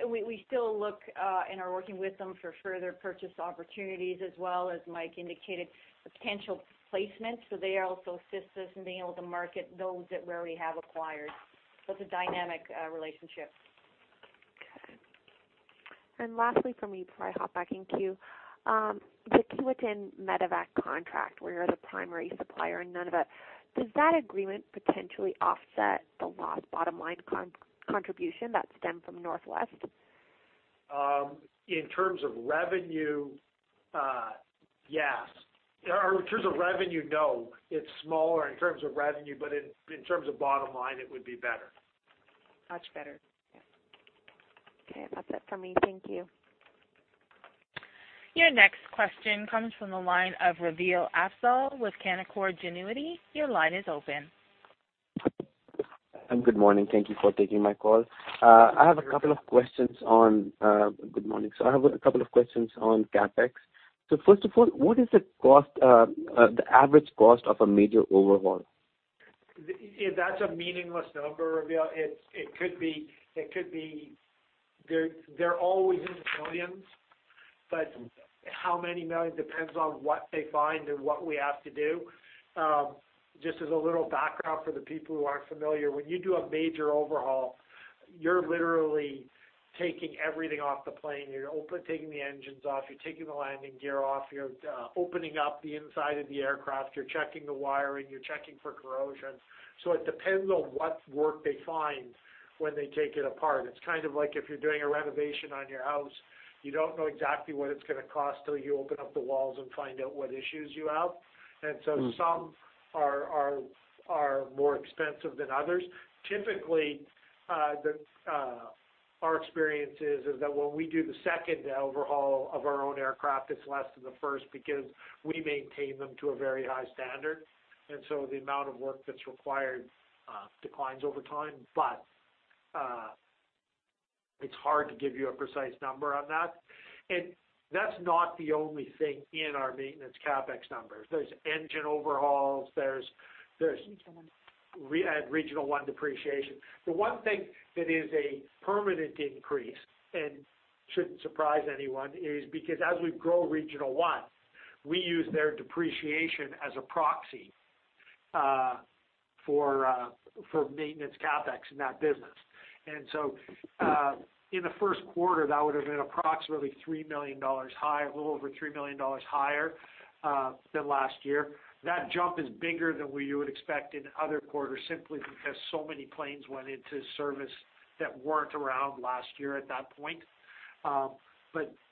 We still look and are working with them for further purchase opportunities as well as Mike indicated, potential placements. They also assist us in being able to market those that we already have acquired. It's a dynamic relationship. Okay. Lastly from me, before I hop back in queue, the Keewatin medevac contract, where you're the primary supplier and Nunavut, does that agreement potentially offset the lost bottom-line contribution that stemmed from Northwest? In terms of revenue, yes. In terms of revenue, no. It's smaller in terms of revenue, but in terms of bottom line, it would be better. Much better. Yeah. Okay. That's it for me. Thank you. Your next question comes from the line of Ravi Afzal with Canaccord Genuity. Your line is open. Good morning. Thank you for taking my call. Good morning. Good morning. I have a couple of questions on CapEx. First of all, what is the average cost of a major overhaul? That's a meaningless number, Ravi. They're always in the millions, but how many millions depends on what they find and what we have to do. Just as a little background for the people who aren't familiar, when you do a major overhaul, you're literally taking everything off the plane. You're taking the engines off, you're taking the landing gear off, you're opening up the inside of the aircraft, you're checking the wiring, you're checking for corrosion. It depends on what work they find when they take it apart. It's like if you're doing a renovation on your house, you don't know exactly what it's going to cost till you open up the walls and find out what issues you have. Some are more expensive than others. Typically, our experience is that when we do the second overhaul of our own aircraft, it's less than the first because we maintain them to a very high standard. The amount of work that's required declines over time. It's hard to give you a precise number on that. That's not the only thing in our maintenance CapEx numbers. There's engine overhauls. Regional One Regional One depreciation. The one thing that is a permanent increase and shouldn't surprise anyone is because as we grow Regional One, we use their depreciation as a proxy for maintenance CapEx in that business. In the first quarter, that would've been approximately a little over 3 million dollars higher than last year. That jump is bigger than we would expect in other quarters simply because so many planes went into service that weren't around last year at that point.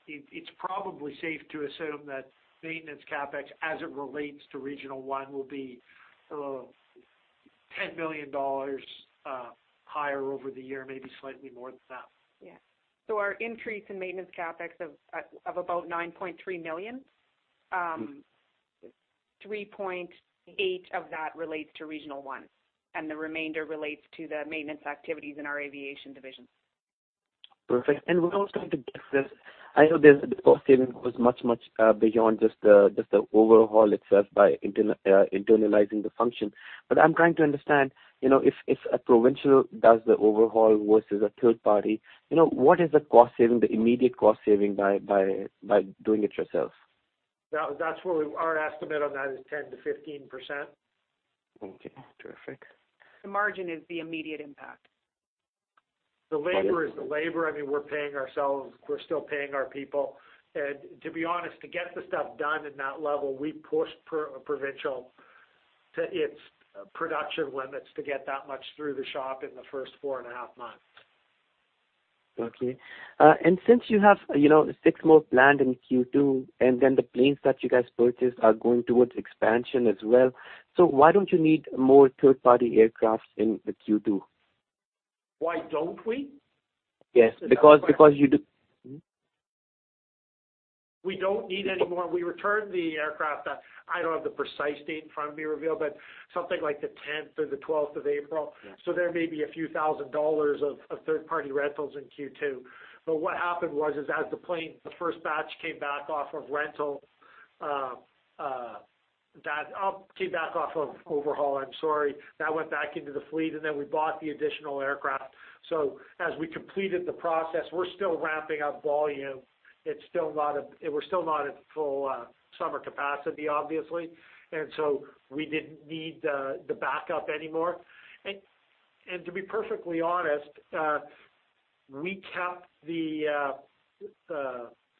It's probably safe to assume that maintenance CapEx as it relates to Regional One will be 10 million dollars higher over the year, maybe slightly more than that. Yeah. Our increase in maintenance CapEx of about 9.3 million, 3.8 of that relates to Regional One, and the remainder relates to the maintenance activities in our aviation division. Perfect. We're also trying to guess this. I know there's a cost saving that was much beyond just the overhaul itself by internalizing the function. I'm trying to understand, if Provincial does the overhaul versus a third party, what is the immediate cost saving by doing it yourself? Our estimate on that is 10%-15%. Okay, terrific. The margin is the immediate impact. Okay. The labor is the labor. We're still paying our people. To be honest, to get the stuff done at that level, we pushed Provincial Aerospace to its production limits to get that much through the shop in the first four and a half months. Okay. Since you have six more planned in Q2, and then the planes that you guys purchased are going towards expansion as well, so why don't you need more third-party aircraft in the Q2? Why don't we? Yes. That's a good question. You do We don't need anymore. We returned the aircraft, I don't have the precise date in front of me, Ravi, but something like the 10th or the 12th of April. Yeah. There may be a few thousand CAD of third-party rentals in Q2. What happened was, is as the plane, the first batch came back off of rental, came back off of overhaul, I'm sorry, that went back into the fleet, then we bought the additional aircraft. As we completed the process, we're still ramping up volume. We're still not at full summer capacity, obviously. We didn't need the backup anymore. To be perfectly honest, we kept the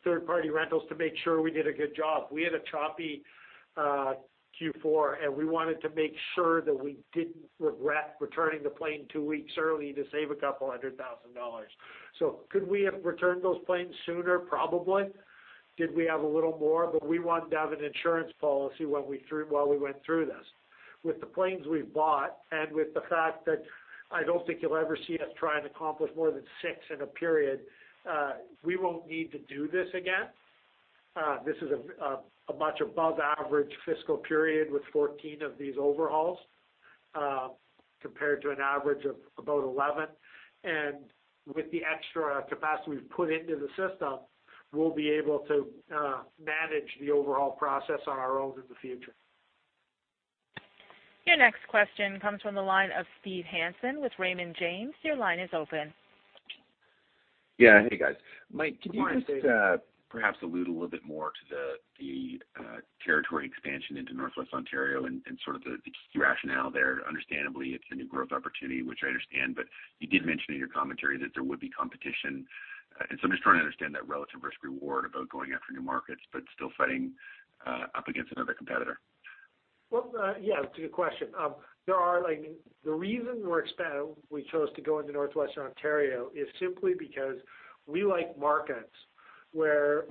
third-party rentals to make sure we did a good job. We had a choppy Q4, and we wanted to make sure that we didn't regret returning the plane two weeks early to save a couple hundred thousand CAD. Could we have returned those planes sooner? Probably. Did we have a little more? We wanted to have an insurance policy while we went through this. With the planes we've bought, with the fact that I don't think you'll ever see us try and accomplish more than six in a period, we won't need to do this again. This is a much above average fiscal period with 14 of these overhauls, compared to an average of about 11. With the extra capacity we've put into the system, we'll be able to manage the overall process on our own in the future. Your next question comes from the line of Steve Hansen with Raymond James. Your line is open. Yeah. Hey, guys. Mike, could you just perhaps allude a little bit more to the territory expansion into Northwest Ontario and sort of the key rationale there. Understandably, it's a new growth opportunity, which I understand. You did mention in your commentary that there would be competition. I'm just trying to understand that relative risk/reward about going after new markets, but still fighting up against another competitor. Well, yeah, it's a good question. The reason we chose to go into Northwestern Ontario is simply because we like markets where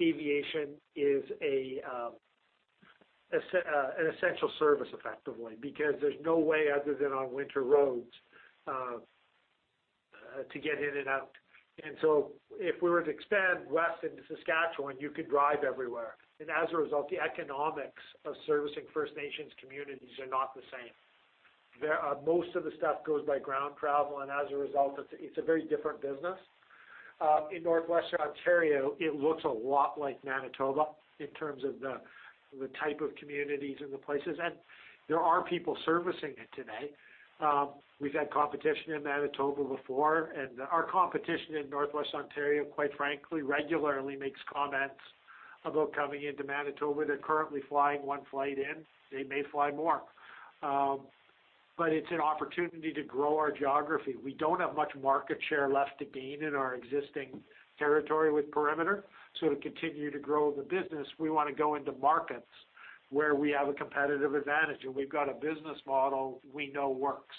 aviation is an essential service, effectively, because there's no way other than on winter roads to get in and out. If we were to expand west into Saskatchewan, you could drive everywhere. As a result, the economics of servicing First Nations communities are not the same. Most of the stuff goes by ground travel, and as a result, it's a very different business. In Northwestern Ontario, it looks a lot like Manitoba in terms of the type of communities and the places, and there are people servicing it today. We've had competition in Manitoba before, and our competition in Northwest Ontario, quite frankly, regularly makes comments about coming into Manitoba. They're currently flying one flight in. They may fly more. It's an opportunity to grow our geography. We don't have much market share left to gain in our existing territory with Perimeter. To continue to grow the business, we want to go into markets where we have a competitive advantage and we've got a business model we know works.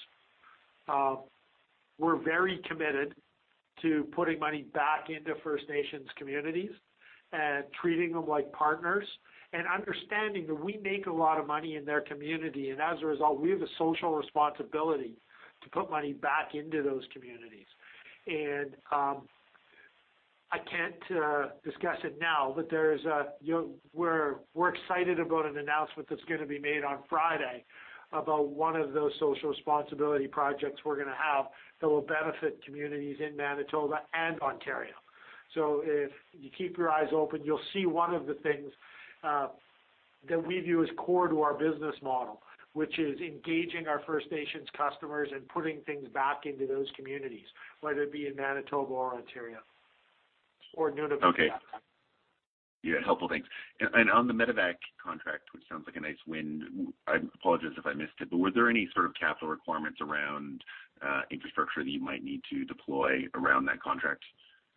We're very committed to putting money back into First Nations communities and treating them like partners and understanding that we make a lot of money in their community, and as a result, we have a social responsibility to put money back into those communities. I can't discuss it now, but we're excited about an announcement that's going to be made on Friday about one of those social responsibility projects we're going to have that will benefit communities in Manitoba and Ontario. If you keep your eyes open, you'll see one of the things that we view as core to our business model, which is engaging our First Nations customers and putting things back into those communities, whether it be in Manitoba or Ontario or Nunavut. Okay. Yeah, helpful. Thanks. On the medevac contract, which sounds like a nice win, I apologize if I missed it, but were there any sort of capital requirements around infrastructure that you might need to deploy around that contract?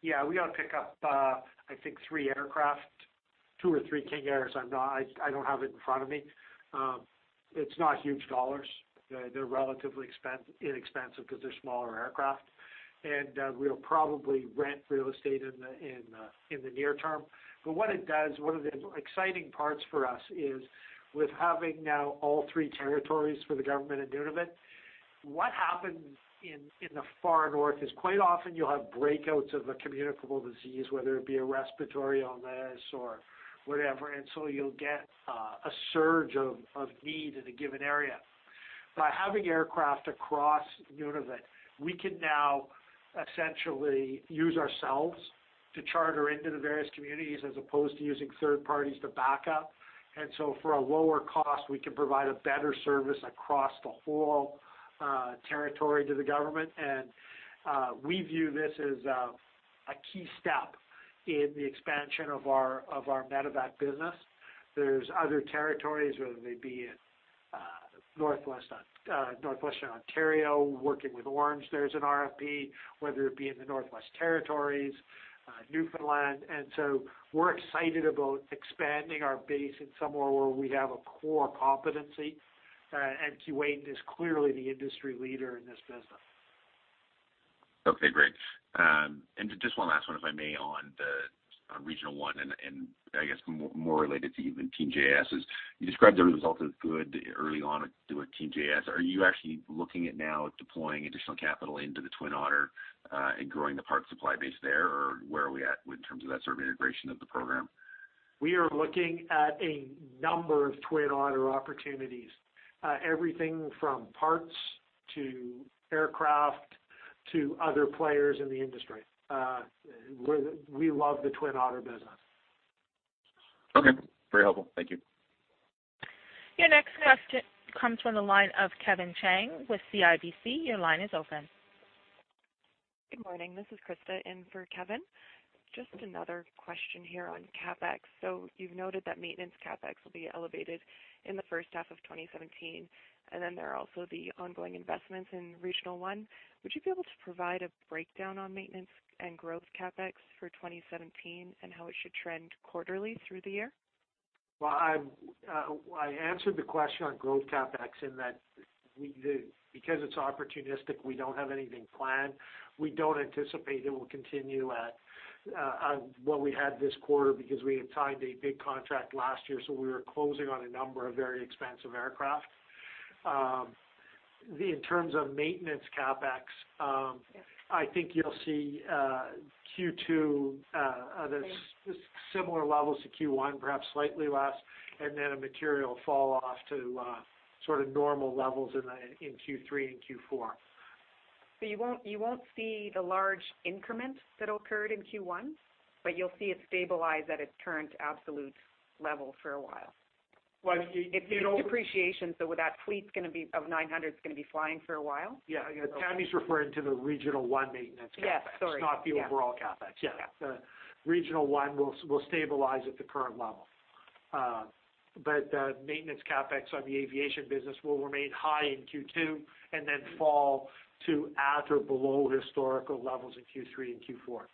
Yeah, we ought to pick up I think three aircraft, two or three King Airs. I don't have it in front of me. It's not huge dollars. They're relatively inexpensive because they're smaller aircraft. We'll probably rent real estate in the near term. What it does, one of the exciting parts for us is with having now all three territories for the Government of Nunavut, what happens in the far north is quite often you'll have breakouts of a communicable disease, whether it be a respiratory illness or whatever. You'll get a surge of need in a given area. By having aircraft across Nunavut, we can now essentially use ourselves to charter into the various communities as opposed to using third parties to back up. For a lower cost, we can provide a better service across the whole territory to the government, and we view this as a key step in the expansion of our medevac business. There's other territories, whether they be in Northwestern Ontario, working with Ornge, there's an RFP, whether it be in the Northwest Territories, Newfoundland. We're excited about expanding our base in somewhere where we have a core competency, and Keewatin Air is clearly the industry leader in this business. Okay, great. Just one last one, if I may, on the Regional One and- I guess more related to even TJS is you described the result as good early on to a TJS. Are you actually looking at now deploying additional capital into the Twin Otter and growing the parts supply base there? Or where are we at in terms of that sort of integration of the program? We are looking at a number of Twin Otter opportunities. Everything from parts to aircraft to other players in the industry. We love the Twin Otter business. Okay. Very helpful. Thank you. Your next question comes from the line of Kevin Chiang with CIBC. Your line is open. Good morning. This is Krista in for Kevin. Just another question here on CapEx. You've noted that maintenance CapEx will be elevated in the first half of 2017, and then there are also the ongoing investments in Regional One. Would you be able to provide a breakdown on maintenance and growth CapEx for 2017 and how it should trend quarterly through the year? Well, I answered the question on growth CapEx in that because it's opportunistic, we don't have anything planned. We don't anticipate it will continue at what we had this quarter because we had signed a big contract last year, so we were closing on a number of very expensive aircraft. In terms of maintenance CapEx, I think you'll see Q2- Great similar levels to Q1, perhaps slightly less, and then a material fall off to sort of normal levels in Q3 and Q4. You won't see the large increment that occurred in Q1, but you'll see it stabilize at its current absolute level for a while? Well, it'll- It's depreciation, that fleet of 900 is going to be flying for a while? Yeah. Tammy's referring to the Regional One maintenance CapEx. Yes. Sorry. Yeah. It's not the overall CapEx. Yeah. Yeah. Regional One will stabilize at the current level. Maintenance CapEx on the aviation business will remain high in Q2 and then fall to at or below historical levels in Q3 and Q4.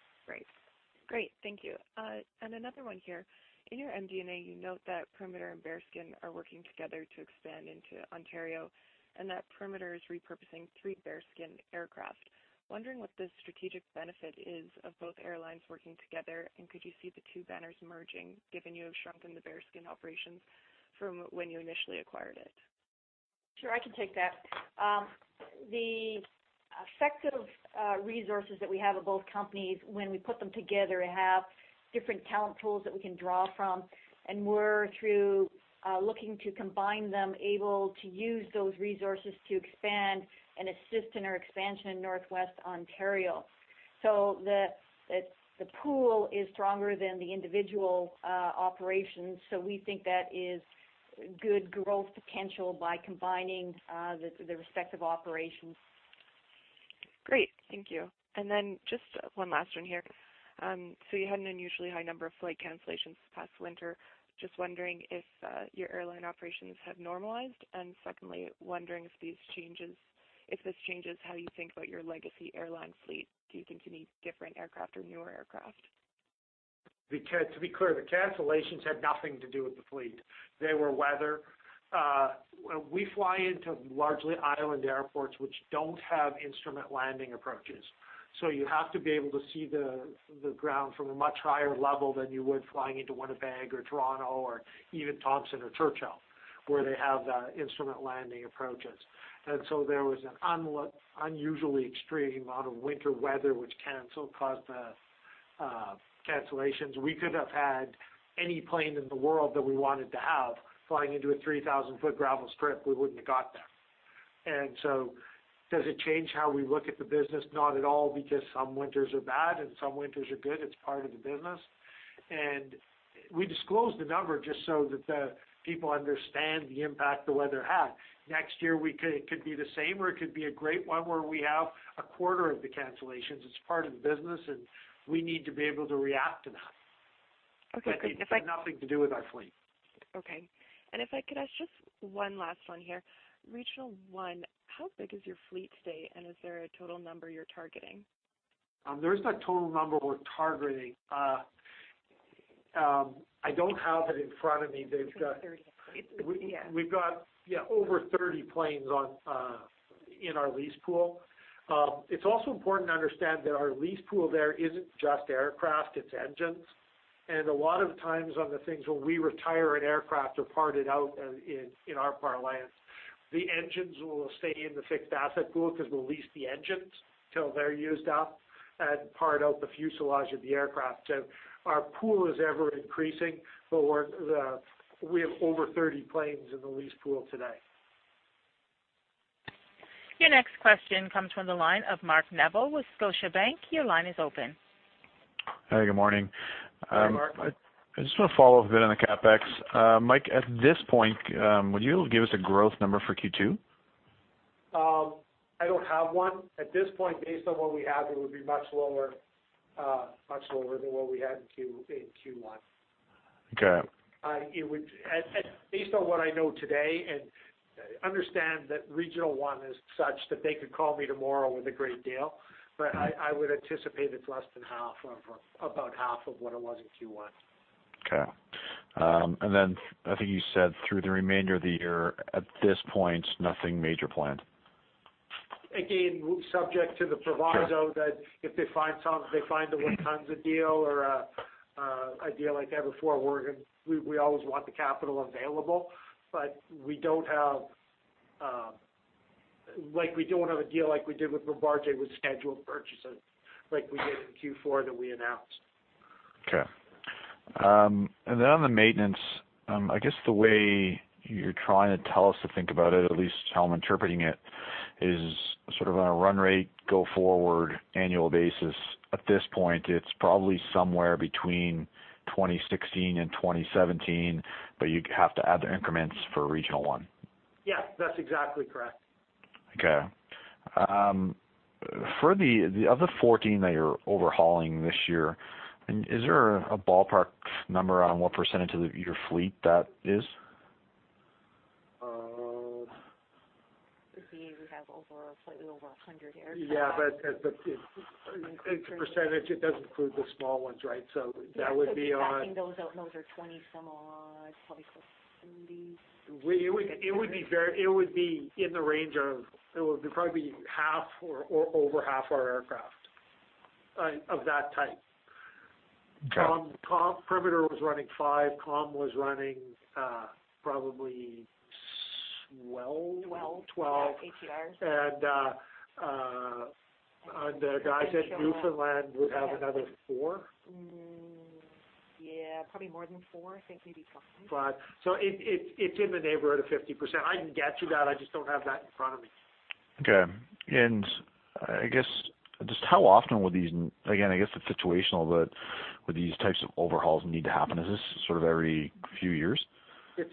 Great. Thank you. Another one here. In your MD&A, you note that Perimeter and Bearskin are working together to expand into Ontario and that Perimeter is repurposing three Bearskin aircraft. Wondering what the strategic benefit is of both airlines working together, and could you see the two banners merging, given you have shrunken the Bearskin operations from when you initially acquired it? Sure. I can take that. The effective resources that we have of both companies when we put them together have different talent pools that we can draw from, and we're through looking to combine them, able to use those resources to expand and assist in our expansion in Northwest Ontario. The pool is stronger than the individual operations. We think that is good growth potential by combining the respective operations. Great. Thank you. Then just one last one here. You had an unusually high number of flight cancellations this past winter. Just wondering if your airline operations have normalized, and secondly, wondering if this changes how you think about your Legacy Airline fleet. Do you think you need different aircraft or newer aircraft? To be clear, the cancellations had nothing to do with the fleet. They were weather. We fly into largely island airports which don't have instrument landing approaches. You have to be able to see the ground from a much higher level than you would flying into Winnipeg or Toronto or even Thompson or Churchill, where they have the instrument landing approaches. There was an unusually extreme amount of winter weather which caused the cancellations. We could have had any plane in the world that we wanted to have flying into a 3,000-foot gravel strip, we wouldn't have got there. Does it change how we look at the business? Not at all, because some winters are bad and some winters are good. It's part of the business. We disclosed the number just so that the people understand the impact the weather had. Next year, it could be the same or it could be a great one where we have a quarter of the cancellations. It's part of the business. We need to be able to react to that. Okay. It had nothing to do with our fleet. Okay. If I could ask just one last one here. Regional One, how big is your fleet today, and is there a total number you're targeting? There is a total number we're targeting. I don't have it in front of me. They've got It's over 30. Yeah. We've got over 30 planes in our lease pool. It's also important to understand that our lease pool there isn't just aircraft, it's engines. A lot of times on the things when we retire an aircraft or part it out in our parlance, the engines will stay in the fixed asset pool because we'll lease the engines till they're used up and part out the fuselage of the aircraft. Our pool is ever-increasing, but we have over 30 planes in the lease pool today. Your next question comes from the line of Mark Neville with Scotiabank. Your line is open. Hey, good morning. Hey, Mark. I just want to follow up a bit on the CapEx. Mike, at this point, would you give us a growth number for Q2? I don't have one. At this point, based on what we have, it would be much lower than what we had in Q1. Okay. Based on what I know today, understand that Regional One is such that they could call me tomorrow with a great deal, I would anticipate it's less than half or about half of what it was in Q1. Okay. I think you said through the remainder of the year, at this point, nothing major planned. Again, subject to the proviso that if they find the Lufthansa deal or a deal like that. We always want the capital available, we don't want to have a deal like we did with Bombardier with scheduled purchases like we did in Q4 that we announced. Okay. On the maintenance, I guess the way you're trying to tell us to think about it, at least how I'm interpreting it, is sort of on a run rate go forward annual basis. At this point, it's probably somewhere between 2016 and 2017, but you'd have to add the increments for Regional One. Yes. That's exactly correct. Okay. For the other 14 that you're overhauling this year, is there a ballpark number on what percentage of your fleet that is? It would be we have slightly over 100 aircraft. Yeah, as a percentage, it doesn't include the small ones, right? That would be Backing those out, those are 20 some odd, probably 70. It would be in the range of, it would probably be half or over half our aircraft of that type. Okay. Perimeter was running five, Calm was running probably 12. 12. 12. Yeah, ATRs. The guys at Newfoundland would have another four. Yeah, probably more than four. I think maybe 12. Five. It's in the neighborhood of 50%. I can get you that, I just don't have that in front of me. Okay. I guess, just how often would these, again, I guess it's situational, but would these types of overhauls need to happen? Is this sort of every few years? It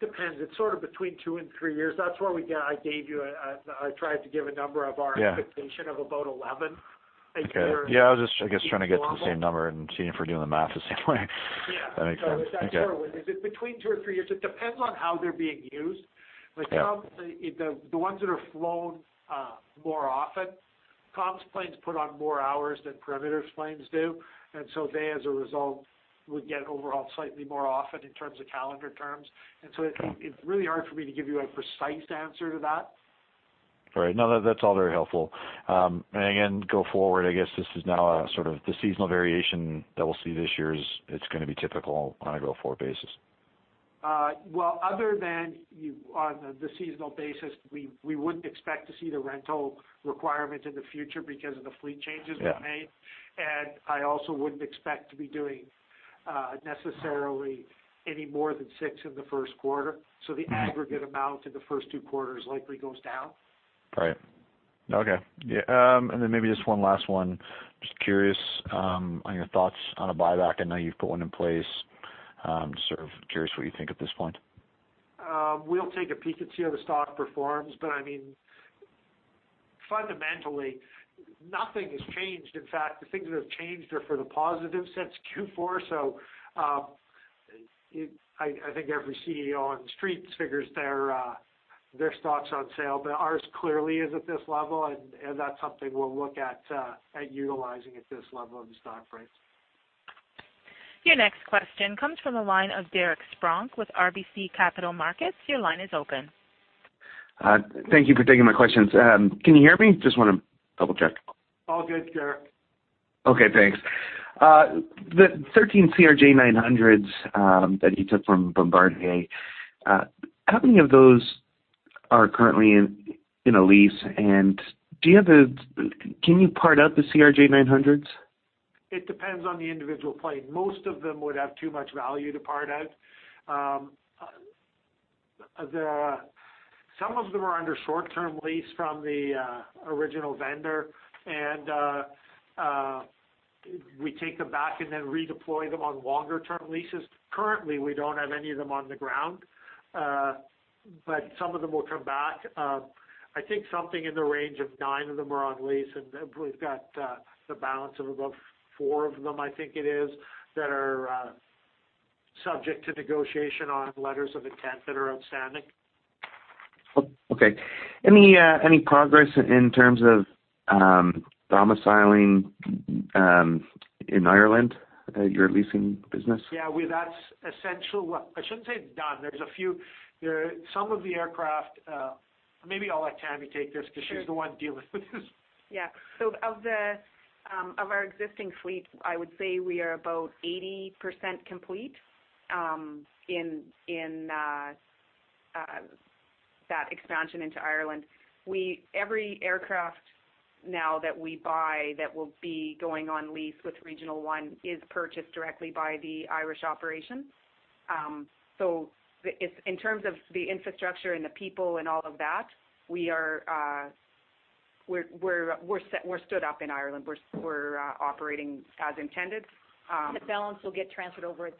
depends. It's sort of between two and three years. That's where I gave you, I tried to give a number of. Yeah expectation of about 11 a year. Okay. Yeah, I was. As a normal. I guess, trying to get to the same number and seeing if we're doing the math the same way. Yeah. That makes sense. Okay. It's that sort of. Is it between two or three years? It depends on how they're being used. Yeah. The ones that are flown more often, Calm Air's planes put on more hours than Perimeter's planes do, they, as a result, would get overhauled slightly more often in terms of calendar terms. It's really hard for me to give you a precise answer to that. All right. No, that's all very helpful. Again, go forward, I guess this is now a sort of the seasonal variation that we'll see this year is it's going to be typical on a go forward basis. Well, other than on the seasonal basis, we wouldn't expect to see the rental requirement in the future because of the fleet changes we've made. Yeah. I also wouldn't expect to be doing necessarily any more than six in the first quarter. The aggregate amount in the first two quarters likely goes down. Right. Okay. Yeah, and then maybe just one last one. Just curious on your thoughts on a buyback. I know you've put one in place. I'm just sort of curious what you think at this point. We'll take a peek and see how the stock performs. Fundamentally, nothing has changed. In fact, the things that have changed are for the positive since Q4, I think every CEO on the Street figures their stock's on sale, but ours clearly is at this level, and that's something we'll look at utilizing at this level of the stock price. Your next question comes from the line of Derek Spronck with RBC Capital Markets. Your line is open. Thank you for taking my questions. Can you hear me? Just want to double check. All good, Derek. Okay, thanks. The 13 CRJ-900s that you took from Bombardier, how many of those are currently in a lease? Can you part out the CRJ-900s? It depends on the individual plane. Most of them would have too much value to part out. Some of them are under short-term lease from the original vendor, and we take them back and then redeploy them on longer-term leases. Currently, we don't have any of them on the ground. Some of them will come back. I think something in the range of nine of them are on lease, and we've got the balance of about four of them, I think it is, that are subject to negotiation on letters of intent that are outstanding. Okay. Any progress in terms of domiciling in Ireland, your leasing business? Well, that's essential. Well, I shouldn't say done. Some of the aircraft Maybe I'll let Tammy take this because she's- Sure the one dealing with this. Of our existing fleet, I would say we are about 80% complete in that expansion into Ireland. Every aircraft now that we buy that will be going on lease with Regional One is purchased directly by the Irish operation. In terms of the infrastructure and the people and all of that, we're stood up in Ireland. We're operating as intended. The balance will get transferred over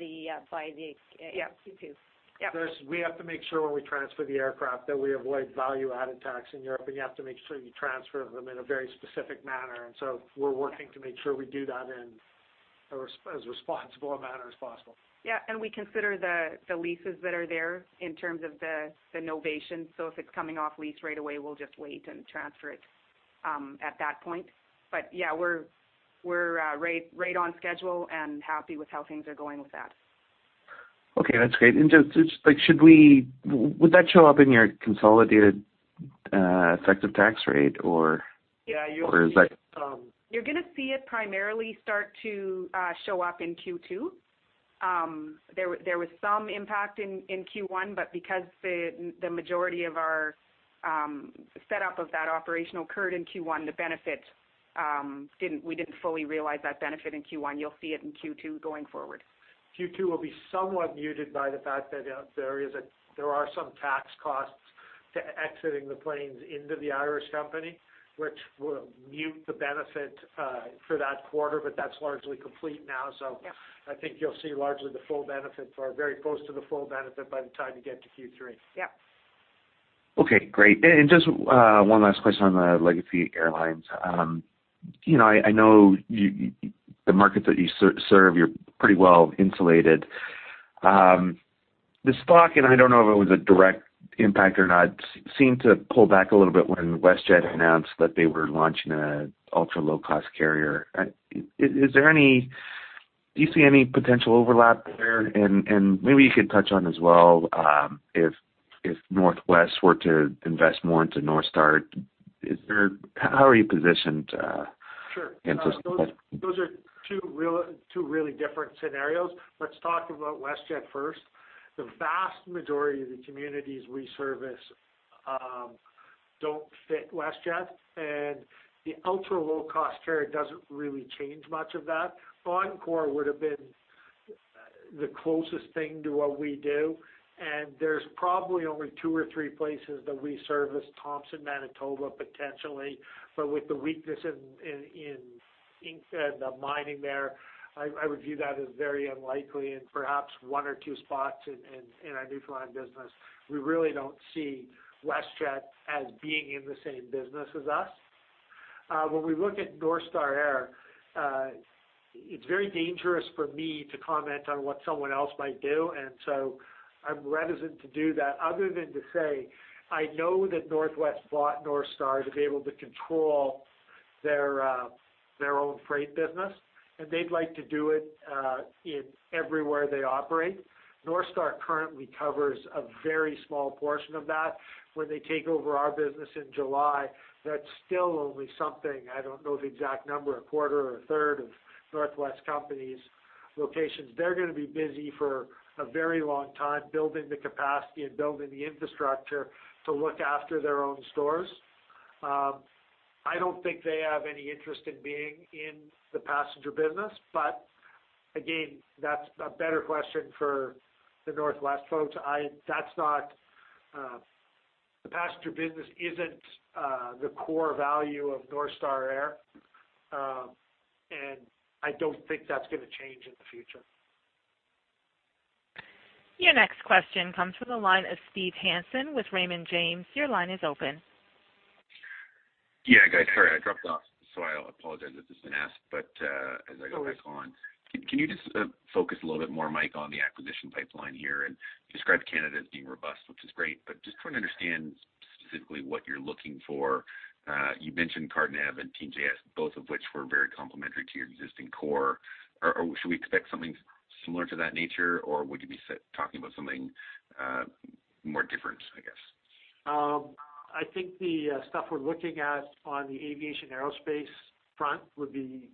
by the- Yeah Q2. Yeah. We have to make sure when we transfer the aircraft that we avoid value-added tax in Europe, and you have to make sure you transfer them in a very specific manner. We're working to make sure we do that in as responsible a manner as possible. Yeah, and we consider the leases that are there in terms of the novation. If it's coming off lease right away, we'll just wait and transfer it at that point. We're right on schedule and happy with how things are going with that. Okay, that's great. Would that show up in your consolidated effective tax rate or- Yeah. Is that- You're going to see it primarily start to show up in Q2. There was some impact in Q1, but because the majority of our setup of that operational occurred in Q1, we didn't fully realize that benefit in Q1. You'll see it in Q2 going forward. Q2 will be somewhat muted by the fact that there are some tax costs to exiting the planes into the Irish company, which will mute the benefit for that quarter. That's largely complete now. Yeah I think you'll see largely the full benefit or very close to the full benefit by the time you get to Q3. Yeah. Okay, great. Just one last question on the Legacy Airlines. I know the markets that you serve, you're pretty well insulated. The stock, and I don't know if it was a direct impact or not, seemed to pull back a little bit when WestJet announced that they were launching an ultra-low-cost carrier. Do you see any potential overlap there? Maybe you could touch on as well, if Northwest were to invest more into North Star Air, how are you positioned? Sure. Those are two really different scenarios. Let's talk about WestJet first. The vast majority of the communities we service don't fit WestJet, and the ultra-low-cost carrier doesn't really change much of that. Ornge would've been the closest thing to what we do, and there's probably only two or three places that we service, Thompson, Manitoba, potentially, but with the weakness in the mining there, I would view that as very unlikely and perhaps one or two spots in our Newfoundland business. We really don't see WestJet as being in the same business as us. When we look at North Star Air, it's very dangerous for me to comment on what someone else might do. I'm reticent to do that other than to say, I know that The North West Company bought North Star to be able to control their own freight business. They'd like to do it in everywhere they operate. North Star currently covers a very small portion of that. When they take over our business in July, that's still only something, I don't know the exact number, a quarter or a third of The North West Company's locations. They're going to be busy for a very long time building the capacity and building the infrastructure to look after their own stores. I don't think they have any interest in being in the passenger business. Again, that's a better question for The North West Company folks. The passenger business isn't the core value of North Star Air. I don't think that's going to change in the future. Your next question comes from the line of Steve Hansen with Raymond James. Your line is open. Yeah, guys. Sorry, I dropped off, so I apologize if this has been asked, but as I go back on- No worries. Can you just focus a little bit more, Mike, on the acquisition pipeline here and describe Canada as being robust, which is great, but just trying to understand specifically what you're looking for. You mentioned CarteNav and Team JAS, both of which were very complementary to your existing core. Should we expect something similar to that nature, or would you be talking about something more different, I guess? I think the stuff we're looking at on the aviation aerospace front would be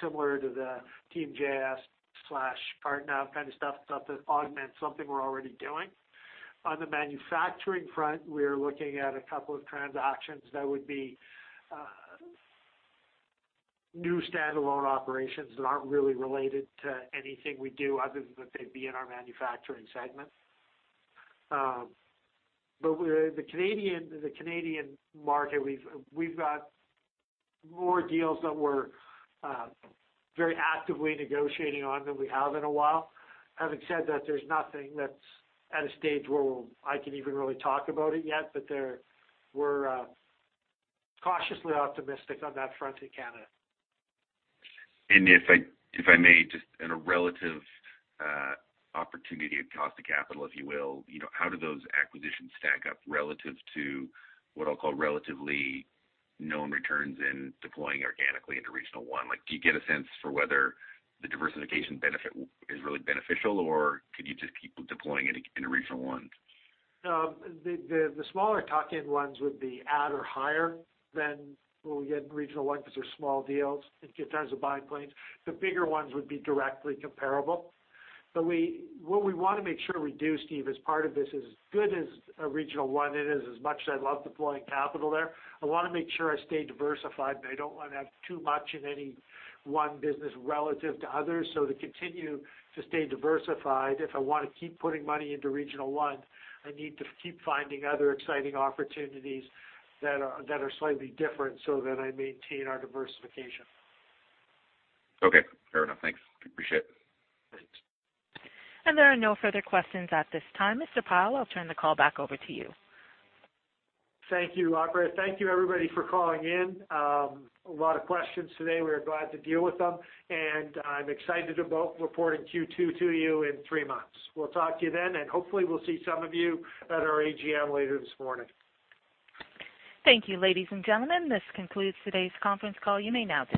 similar to the Team JAS/CarteNav kind of stuff that augments something we're already doing. On the manufacturing front, we're looking at a couple of transactions that would be new standalone operations that aren't really related to anything we do other than that they'd be in our manufacturing segment. The Canadian market, we've got more deals that we're very actively negotiating on than we have in a while. Having said that, there's nothing that's at a stage where I can even really talk about it yet, but we're cautiously optimistic on that front in Canada. If I may, just in a relative opportunity and cost of capital, if you will, how do those acquisitions stack up relative to what I'll call relatively known returns in deploying organically into Regional One? Do you get a sense for whether the diversification benefit is really beneficial, or could you just keep deploying it in Regional One? The smaller tuck-in ones would be at or higher than what we get in Regional One because they're small deals in terms of buying planes. The bigger ones would be directly comparable. What we want to make sure we do, Steve, as part of this, as good as Regional One it is, as much as I love deploying capital there, I want to make sure I stay diversified, and I don't want to have too much in any one business relative to others. To continue to stay diversified, if I want to keep putting money into Regional One, I need to keep finding other exciting opportunities that are slightly different so that I maintain our diversification. Okay, fair enough. Thanks. Appreciate it. Thanks. There are no further questions at this time. Mr. Pyle, I'll turn the call back over to you. Thank you, Operator. Thank you, everybody, for calling in. A lot of questions today. We are glad to deal with them. I am excited about reporting Q2 to you in three months. We will talk to you then, and hopefully, we will see some of you at our AGM later this morning. Thank you, ladies and gentlemen. This concludes today's conference call. You may now disconnect.